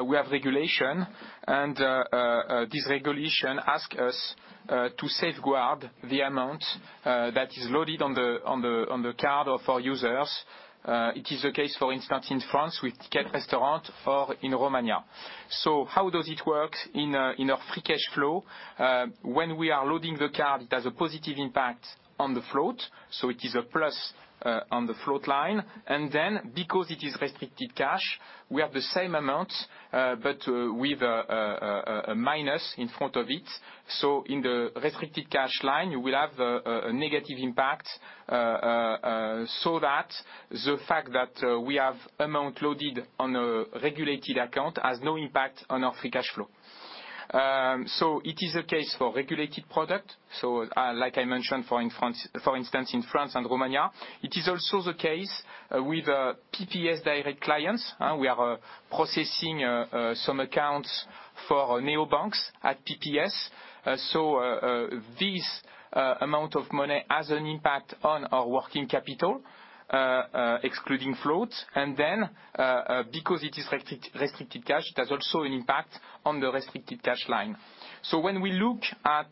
Speaker 3: we have regulations and this regulation asks us to safeguard the amount that is loaded on the card of our users. It is the case, for instance, in France with Ticket Restaurant or in Romania. How does it work in our free cash flow? When we are loading the card, it has a positive impact on the float, so it is a plus on the float line. Then because it is restricted cash, we have the same amount but with a minus in front of it. In the restricted cash line, we will have a negative impact so that the fact that we have amount loaded on a regulated account has no impact on our free cash flow. It is a case for regulated product. Like I mentioned, for instance, in France and Romania, it is also the case with PPS direct clients. We are processing some accounts for neobanks at PPS. This amount of money has an impact on our working capital excluding floats. Because it is restricted cash, it has also an impact on the restricted cash line. When we look at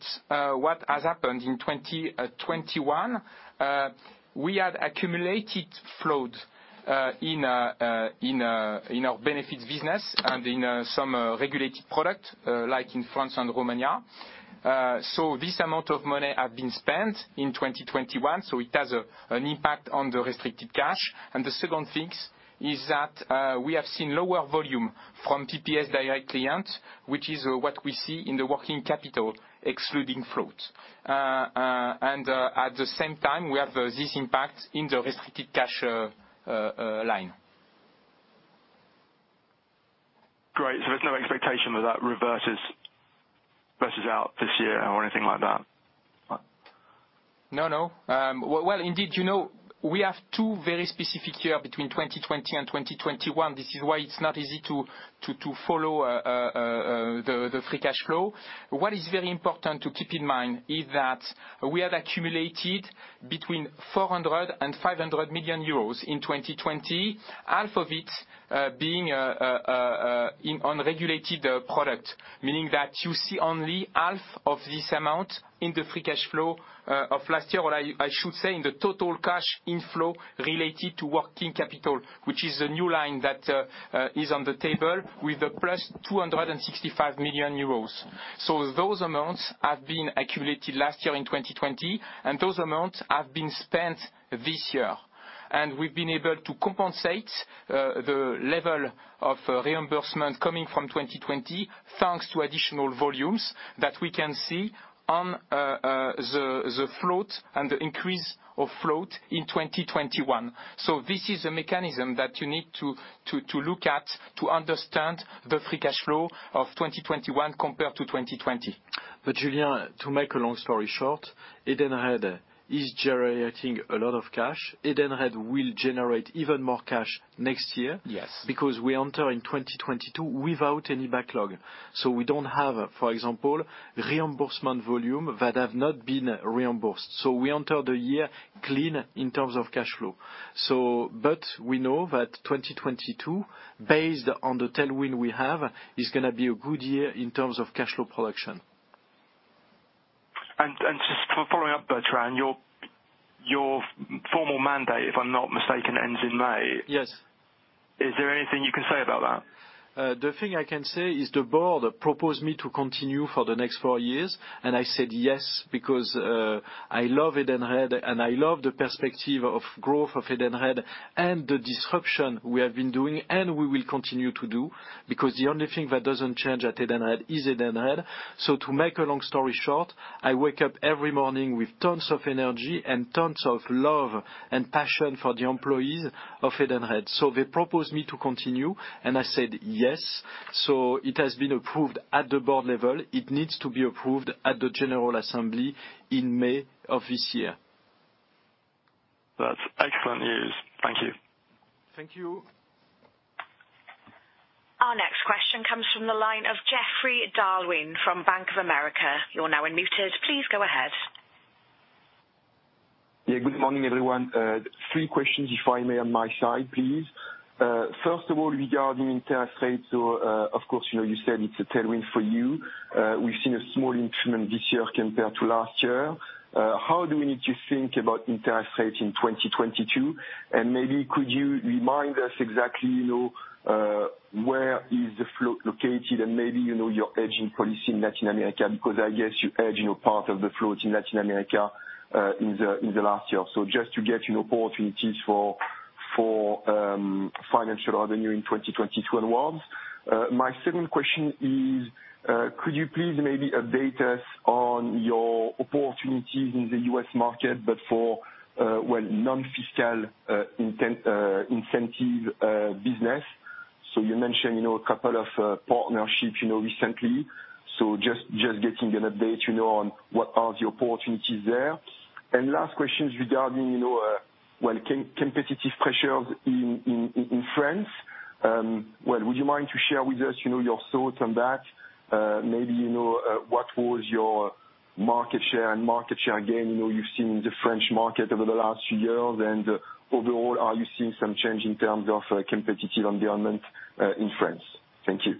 Speaker 3: what has happened in 2021, we had accumulated float in our benefits business and in some regulated product like in France and Romania. This amount of money have been spent in 2021, so it has an impact on the restricted cash. The second things is that we have seen lower volume from PPS direct clients, which is what we see in the working capital excluding float. At the same time, we have this impact in the restricted cash line.
Speaker 8: Great. There's no expectation that that reverses out this year or anything like that?
Speaker 3: No, no. Well, indeed, you know, we have two very specific years between 2020 and 2021. This is why it's not easy to follow the free cash flow. What is very important to keep in mind is that we have accumulated between 400 million euros and 500 million euros in 2020, half of it being in non-regulated product, meaning that you see only half of this amount in the free cash flow of last year. Or I should say in the total cash inflow related to working capital, which is a new line that is on the table with +265 million euros. Those amounts have been accumulated last year in 2020, and those amounts have been spent this year. We've been able to compensate the level of reimbursement coming from 2020, thanks to additional volumes that we can see on the float and the increase of float in 2021. This is a mechanism that you need to look at to understand the free cash flow of 2021 compared to 2020.
Speaker 1: Julien, to make a long story short, Edenred is generating a lot of cash. Edenred will generate even more cash next year.
Speaker 3: Yes.
Speaker 1: We enter in 2022 without any backlog. We don't have, for example, reimbursement volume that have not been reimbursed. We enter the year clean in terms of cash flow. We know that 2022, based on the tailwind we have, is gonna be a good year in terms of cash flow production.
Speaker 8: Just following up, Bertrand, your formal mandate, if I'm not mistaken, ends in May.
Speaker 1: Yes.
Speaker 8: Is there anything you can say about that?
Speaker 1: The thing I can say is the board proposed me to continue for the next four years, and I said yes, because I love Edenred, and I love the perspective of growth of Edenred and the disruption we have been doing and we will continue to do. The only thing that doesn't change at Edenred is Edenred. To make a long story short, I wake up every morning with tons of energy and tons of love and passion for the employees of Edenred. They proposed me to continue, and I said yes. It has been approved at the board level. It needs to be approved at the general assembly in May of this year.
Speaker 8: That's excellent news. Thank you.
Speaker 1: Thank you.
Speaker 4: Our next question comes from the line of Geoffroy d'Halluin from Bank of America. You're now unmuted. Please go ahead.
Speaker 9: Yeah, good morning, everyone. three questions, if I may on my side, please. First of all, regarding interest rates, so, of course, you know, you said it's a tailwind for you. We've seen a small improvement this year compared to last year. How do we need to think about interest rates in 2022? And maybe could you remind us exactly, you know, where is the float located? And maybe, you know, your hedging policy in Latin America, because I guess you hedge, you know, part of the floats in Latin America, in the last year. So just to get, you know, opportunities for financial revenue in 2022 onwards. My second question is, could you please maybe update us on your opportunities in the U.S. market, but for, well, non-fiscal, incentive business? You mentioned, you know, a couple of partnerships, you know, recently. Just getting an update, you know, on what are the opportunities there. Last question is regarding, you know, well competitive pressures in France. Well, would you mind to share with us, you know, your thoughts on that? Maybe, you know, what was your market share and market share gain? You know, you've seen the French market over the last few years. Overall, are you seeing some change in terms of competitive environment in France? Thank you.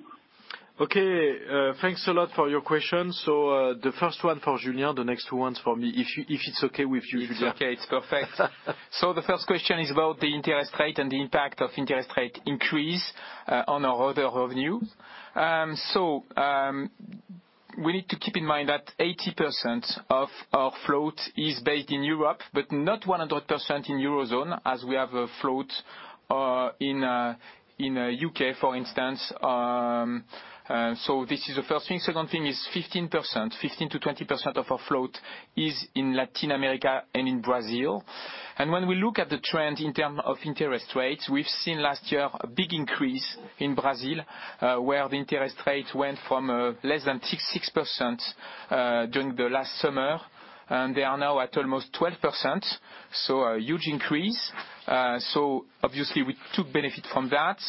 Speaker 1: Okay. Thanks a lot for your questions. The first one for Julien, the next two ones for me. If it's okay with you, Julien.
Speaker 3: It's okay. It's perfect. The first question is about the interest rate and the impact of interest rate increase on our other revenue. We need to keep in mind that 80% of our float is based in Europe, but not 100% in Eurozone, as we have a float in U.K., for instance. This is the first thing. Second thing is 15%-20% of our float is in Latin America and in Brazil. When we look at the trend in terms of interest rates, we've seen last year a big increase in Brazil, where the interest rate went from less than 6% during the last summer, and they are now at almost 12%, so a huge increase. Obviously we took benefit from that.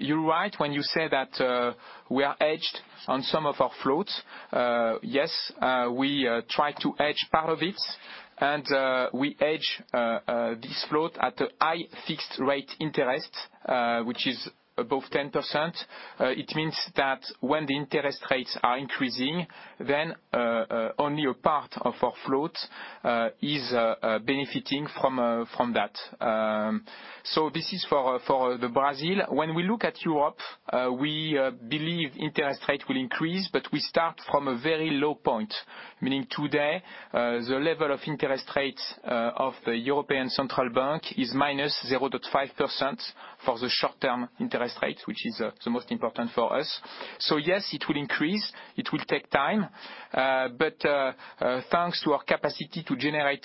Speaker 3: You're right when you say that we are hedged on some of our floats. Yes, we try to hedge part of it. We hedge this float at a high fixed rate interest, which is above 10%. It means that when the interest rates are increasing, only a part of our float is benefiting from that. This is for Brazil. When we look at Europe, we believe interest rate will increase, but we start from a very low point, meaning today, the level of interest rates of the European Central Bank is -0.5% for the short-term interest rate, which is the most important for us. Yes, it will increase. It will take time. Thanks to our capacity to generate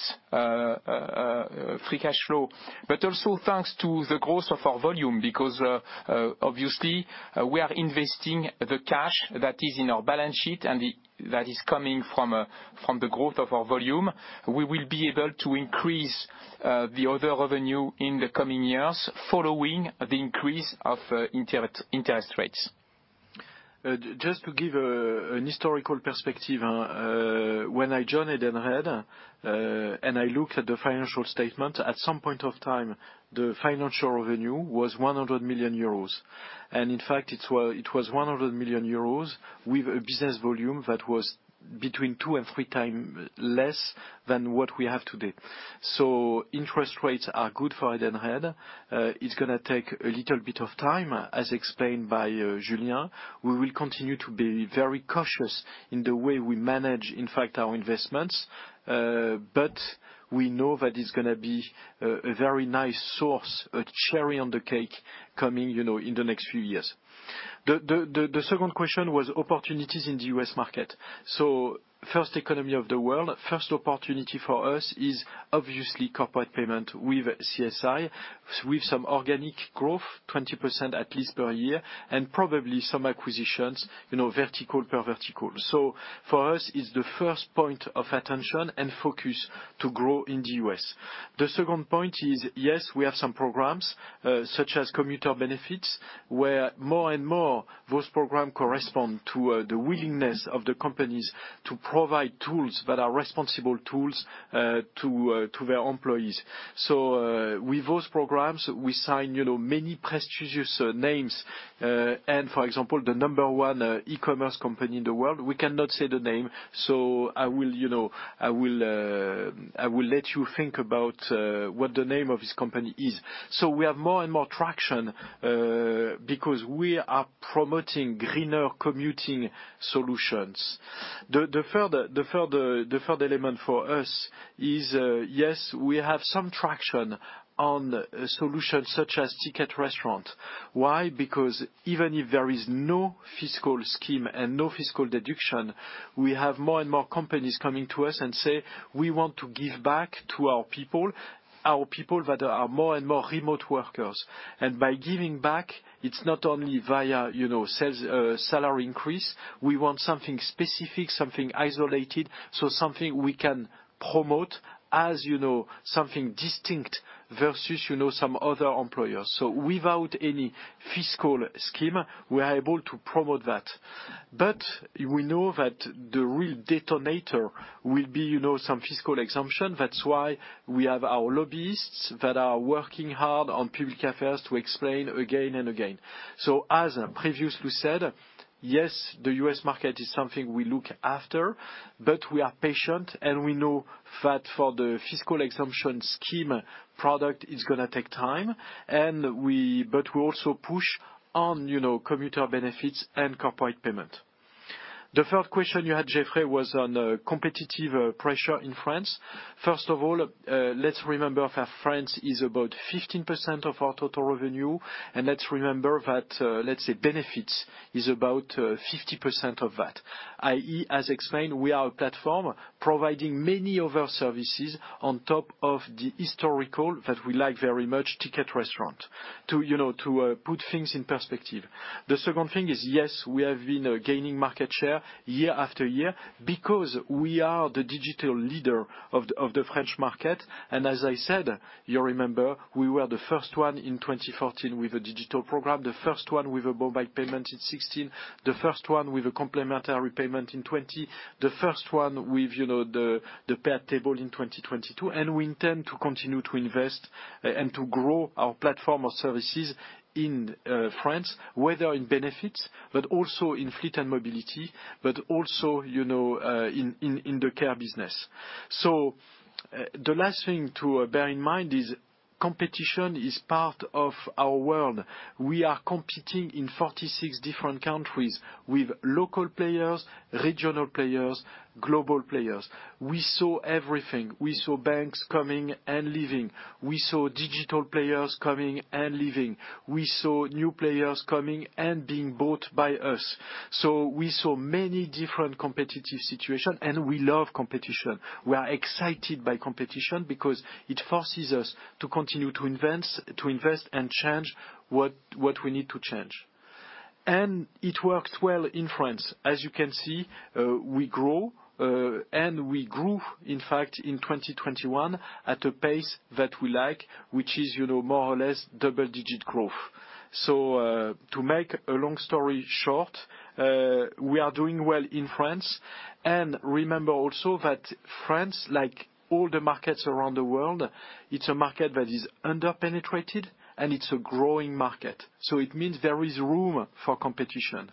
Speaker 3: free cash flow, but also thanks to the growth of our volume, because obviously we are investing the cash that is in our balance sheet and that is coming from the growth of our volume. We will be able to increase the other revenue in the coming years following the increase of interest rates.
Speaker 1: Just to give a historical perspective, when I joined Edenred, and I looked at the financial statement, at some point of time, the financial revenue was 100 million euros. In fact, it was 100 million euros with a business volume that was between 2x and 3x less than what we have today. Interest rates are good for Edenred. It's gonna take a little bit of time, as explained by Julien. We will continue to be very cautious in the way we manage, in fact, our investments. We know that it's gonna be a very nice source, a cherry on the cake coming, you know, in the next few years. The second question was opportunities in the U.S. market. First economy of the world, first opportunity for us is obviously corporate payment with CSI, with some organic growth, 20% at least per year, and probably some acquisitions, you know, vertical per vertical. For us, it's the first point of attention and focus to grow in the U.S. The second point is, yes, we have some programs, such as commuter benefits, where more and more those program correspond to the willingness of the companies to provide tools that are responsible tools to their employees. With those programs, we sign, you know, many prestigious names. And for example, the number one e-commerce company in the world, we cannot say the name, so I will, you know, let you think about what the name of this company is. We have more and more traction because we are promoting greener commuting solutions. The further element for us is, yes, we have some traction on solutions such as Ticket Restaurant. Why? Because even if there is no fiscal scheme and no fiscal deduction, we have more and more companies coming to us and say, "We want to give back to our people that are more and more remote workers. And by giving back, it's not only via, you know, salary increase. We want something specific, something isolated, so something we can promote, as you know, something distinct versus, you know, some other employers." Without any fiscal scheme, we are able to promote that. We know that the real detonator will be, you know, some fiscal exemption. That's why we have our lobbyists that are working hard on public affairs to explain again and again. As previously said, yes, the U.S. market is something we look after, but we are patient and we know that for the fiscal exemption scheme product it's gonna take time. We also push on, you know, commuter benefits and corporate payment. The third question you had, Geoffrey, was on competitive pressure in France. First of all, let's remember that France is about 15% of our total revenue. Let's remember that, let's say, benefits is about 50% of that, i.e., as explained, we are a platform providing many other services on top of the historical that we like very much, Ticket Restaurant to, you know, to put things in perspective. The second thing is, yes, we have been gaining market share year after year because we are the digital leader of the French market. As I said, you remember, we were the first one in 2014 with a digital program, the first one with a mobile payment in 2016, the first one with a complimentary payment in 2020, the first one with, you know, the pay at table in 2022. We intend to continue to invest and to grow our platform of services in France, whether in benefits but also in fleet and mobility, but also, you know, in the care business. The last thing to bear in mind is competition is part of our world. We are competing in 46 different countries with local players, regional players, global players. We saw everything. We saw banks coming and leaving. We saw digital players coming and leaving. We saw new players coming and being bought by us. We saw many different competitive situation, and we love competition. We are excited by competition because it forces us to continue to invest and change what we need to change. It works well in France. As you can see, we grow and we grew, in fact, in 2021 at a pace that we like, which is, you know, more or less double-digit growth. To make a long story short, we are doing well in France. Remember also that France, like all the markets around the world, it's a market that is under-penetrated, and it's a growing market, so it means there is room for competition.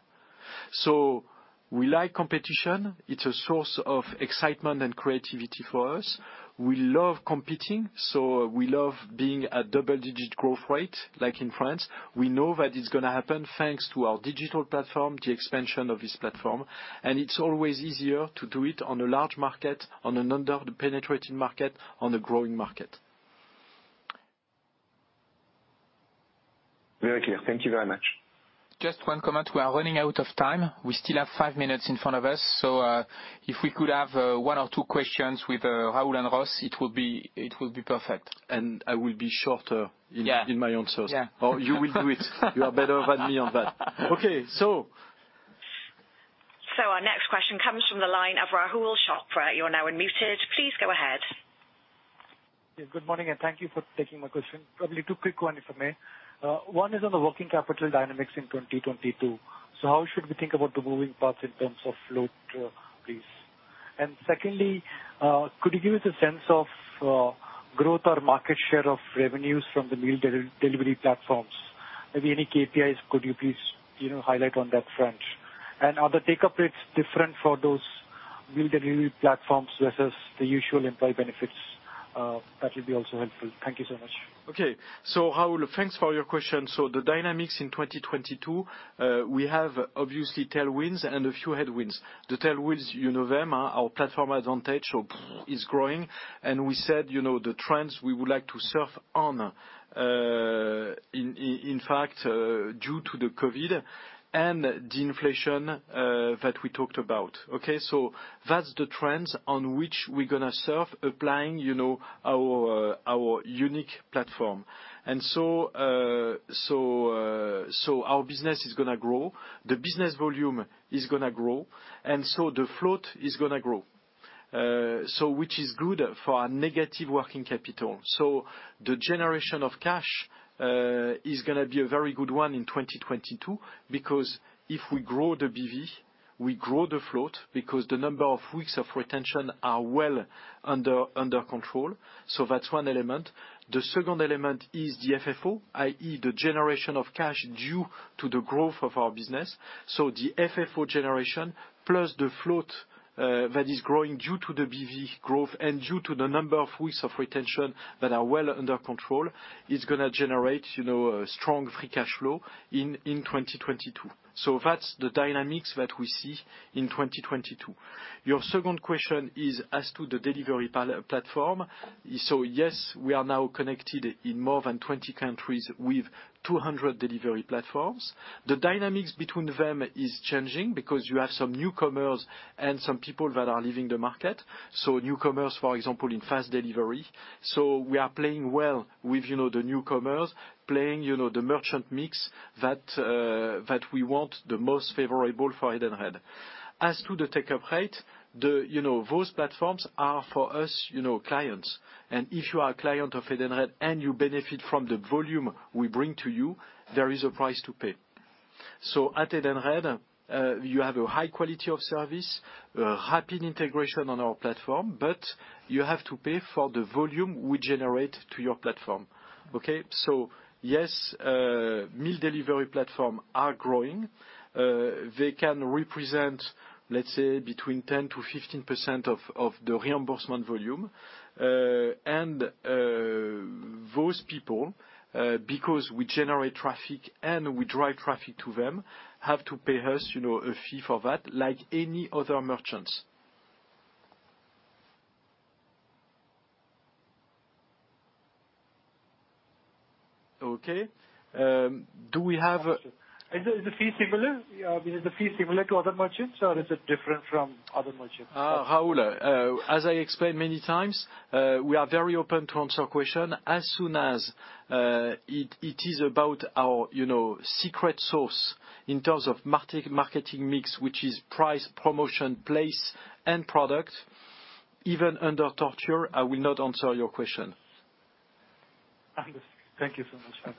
Speaker 1: We like competition. It's a source of excitement and creativity for us. We love competing, so we love being a double-digit growth rate like in France. We know that it's gonna happen thanks to our digital platform, the expansion of this platform. It's always easier to do it on a large market, on an under-penetrated market, on a growing market.
Speaker 9: Very clear. Thank you very much.
Speaker 10: Just one comment. We are running out of time. We still have five minutes in front of us, so if we could have one or two questions with Rahul and Ross, it will be perfect.
Speaker 1: I will be shorter.
Speaker 10: Yeah.
Speaker 1: in my answers.
Speaker 10: Yeah.
Speaker 1: You will do it. You are better than me on that. Okay.
Speaker 4: Our next question comes from the line of Rahul Chopra. You're now unmuted. Please go ahead.
Speaker 11: Yeah, good morning, and thank you for taking my question. Probably two quick ones if I may. One is on the working capital dynamics in 2022. So how should we think about the moving parts in terms of float, please? And secondly, could you give us a sense of growth or market share of revenues from the meal delivery platforms? Maybe any KPIs could you please, you know, highlight on that front? And are the take-up rates different for those meal delivery platforms versus the usual employee benefits? That would be also helpful. Thank you so much.
Speaker 1: Okay. Rahul, thanks for your question. The dynamics in 2022, we have obviously tailwinds and a few headwinds. The tailwinds, you know them, our platform advantage, so is growing. We said, you know, the trends we would like to surf on, in fact, due to the COVID and the inflation, that we talked about, okay? That's the trends on which we're gonna surf, applying, you know, our unique platform. Our business is gonna grow, the business volume is gonna grow, and the float is gonna grow. Which is good for our negative working capital. The generation of cash is gonna be a very good one in 2022, because if we grow the BV, we grow the float because the number of weeks of retention are well under control. That's one element. The second element is the FFO, i.e. the generation of cash due to the growth of our business. The FFO generation plus the float that is growing due to the BV growth and due to the number of weeks of retention that are well under control is gonna generate a strong free cash flow in 2022. That's the dynamics that we see in 2022. Your second question is as to the delivery platform. Yes, we are now connected in more than 20 countries with 200 delivery platforms. The dynamics between them is changing because you have some newcomers and some people that are leaving the market. Newcomers, for example, in fast delivery. We are playing well with, you know, the newcomers, playing, you know, the merchant mix that we want the most favorable for Edenred. As to the take-up rate, you know, those platforms are for us, you know, clients. If you are a client of Edenred and you benefit from the volume we bring to you, there is a price to pay. At Edenred, you have a high quality of service, a rapid integration on our platform, but you have to pay for the volume we generate to your platform, okay? Yes, meal delivery platforms are growing. They can represent, let's say, between 10%-15% of the reimbursement volume. Those people, because we generate traffic and we drive traffic to them, have to pay us, you know, a fee for that like any other merchants. Okay. Do we have-
Speaker 11: Is the fee similar to other merchants or is it different from other merchants?
Speaker 1: Rahul, as I explained many times, we are very open to answer question. As soon as it is about our, you know, secret sauce in terms of marketing mix, which is price, promotion, place, and product, even under torture, I will not answer your question.
Speaker 11: Thank you so much.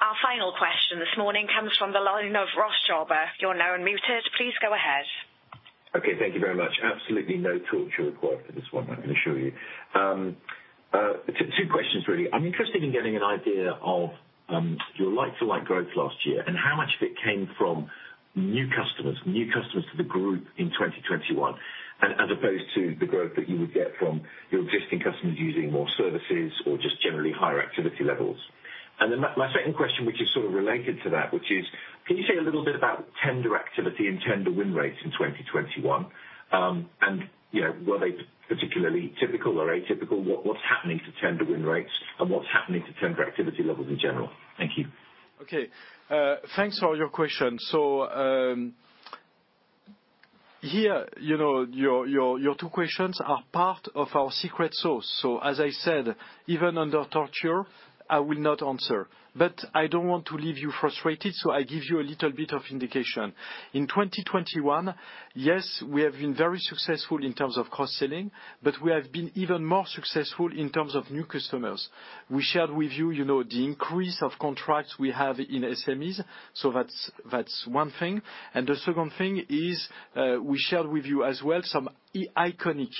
Speaker 4: Our final question this morning comes from the line of Ross Jobber. You're now unmuted. Please go ahead.
Speaker 12: Okay, thank you very much. Absolutely no torture required for this one, I can assure you. Two questions, really. I'm interested in getting an idea of your like-for-like growth last year, and how much of it came from new customers, new customers to the group in 2021, and as opposed to the growth that you would get from your existing customers using more services or just generally higher activity levels. My second question, which is sort of related to that, which is, can you say a little bit about tender activity and tender win rates in 2021? You know, were they particularly typical or atypical? What's happening to tender win rates and what's happening to tender activity levels in general? Thank you.
Speaker 1: Okay. Thanks for your question. Here, you know, your two questions are part of our secret sauce. As I said, even under torture, I will not answer. I don't want to leave you frustrated, so I give you a little bit of indication. In 2021, yes, we have been very successful in terms of cross-selling, but we have been even more successful in terms of new customers. We shared with you know, the increase of contracts we have in SMEs, so that's one thing. The second thing is, we shared with you as well some iconic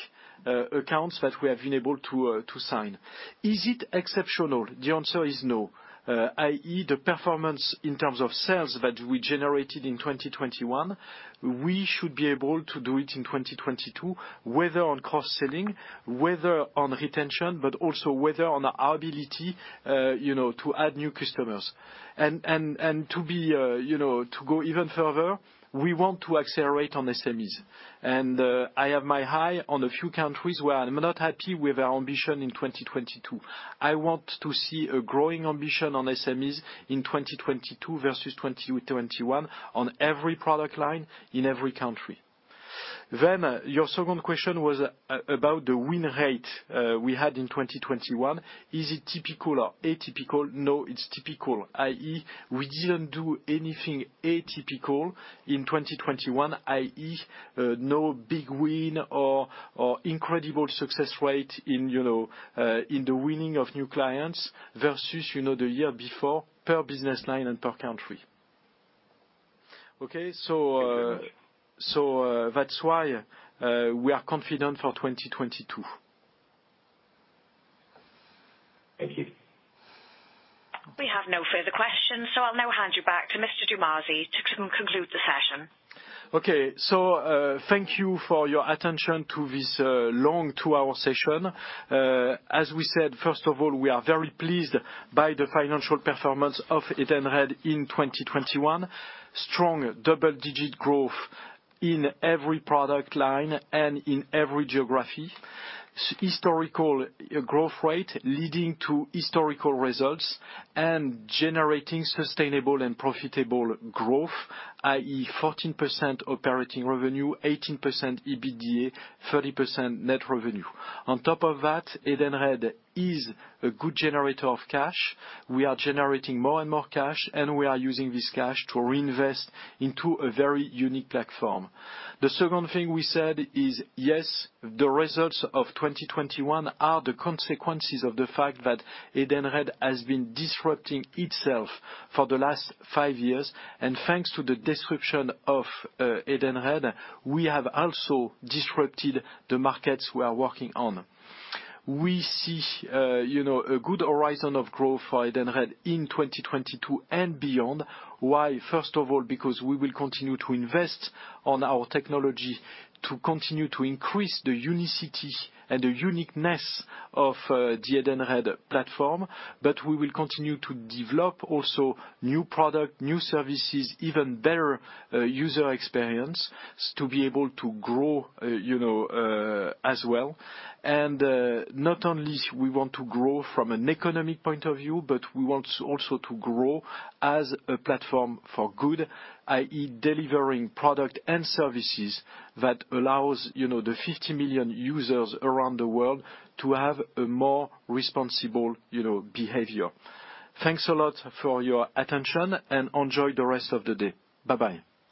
Speaker 1: accounts that we have been able to to sign. Is it exceptional? The answer is no. i.e., the performance in terms of sales that we generated in 2021, we should be able to do it in 2022, whether on cross-selling, whether on retention, but also whether on our ability, you know, to add new customers, to be, you know, to go even further, we want to accelerate on SMEs. I have my eye on a few countries where I'm not happy with our ambition in 2022. I want to see a growing ambition on SMEs in 2022 versus 2021 on every product line in every country. Then your second question was about the win rate we had in 2021. Is it typical or atypical? No, it's typical, i.e., we didn't do anything atypical in 2021, i.e. no big win or incredible success rate in, you know, in the winning of new clients versus, you know, the year before per business line and per country. Okay? So, that's why we are confident for 2022.
Speaker 12: Thank you.
Speaker 4: We have no further questions, so I'll now hand you back to Mr. Dumazy to conclude the session.
Speaker 1: Okay. Thank you for your attention to this long two-hour session. As we said, first of all, we are very pleased by the financial performance of Edenred in 2021. Strong double-digit growth in every product line and in every geography. Historical growth rate leading to historical results and generating sustainable and profitable growth, i.e. 14% operating revenue, 18% EBITDA, 30% net revenue. On top of that, Edenred is a good generator of cash. We are generating more and more cash, and we are using this cash to reinvest into a very unique platform. The second thing we said is, yes, the results of 2021 are the consequences of the fact that Edenred has been disrupting itself for the last five years. Thanks to the disruption of Edenred, we have also disrupted the markets we are working on. We see, you know, a good horizon of growth for Edenred in 2022 and beyond. Why? First of all, because we will continue to invest on our technology to continue to increase the unicity and the uniqueness of the Edenred platform. We will continue to develop also new product, new services, even better user experience to be able to grow, you know, as well. Not only we want to grow from an economic point of view, but we want also to grow as a platform for good, i.e., delivering product and services that allows, you know, the 50 million users around the world to have a more responsible, you know, behavior. Thanks a lot for your attention and enjoy the rest of the day. Bye-bye.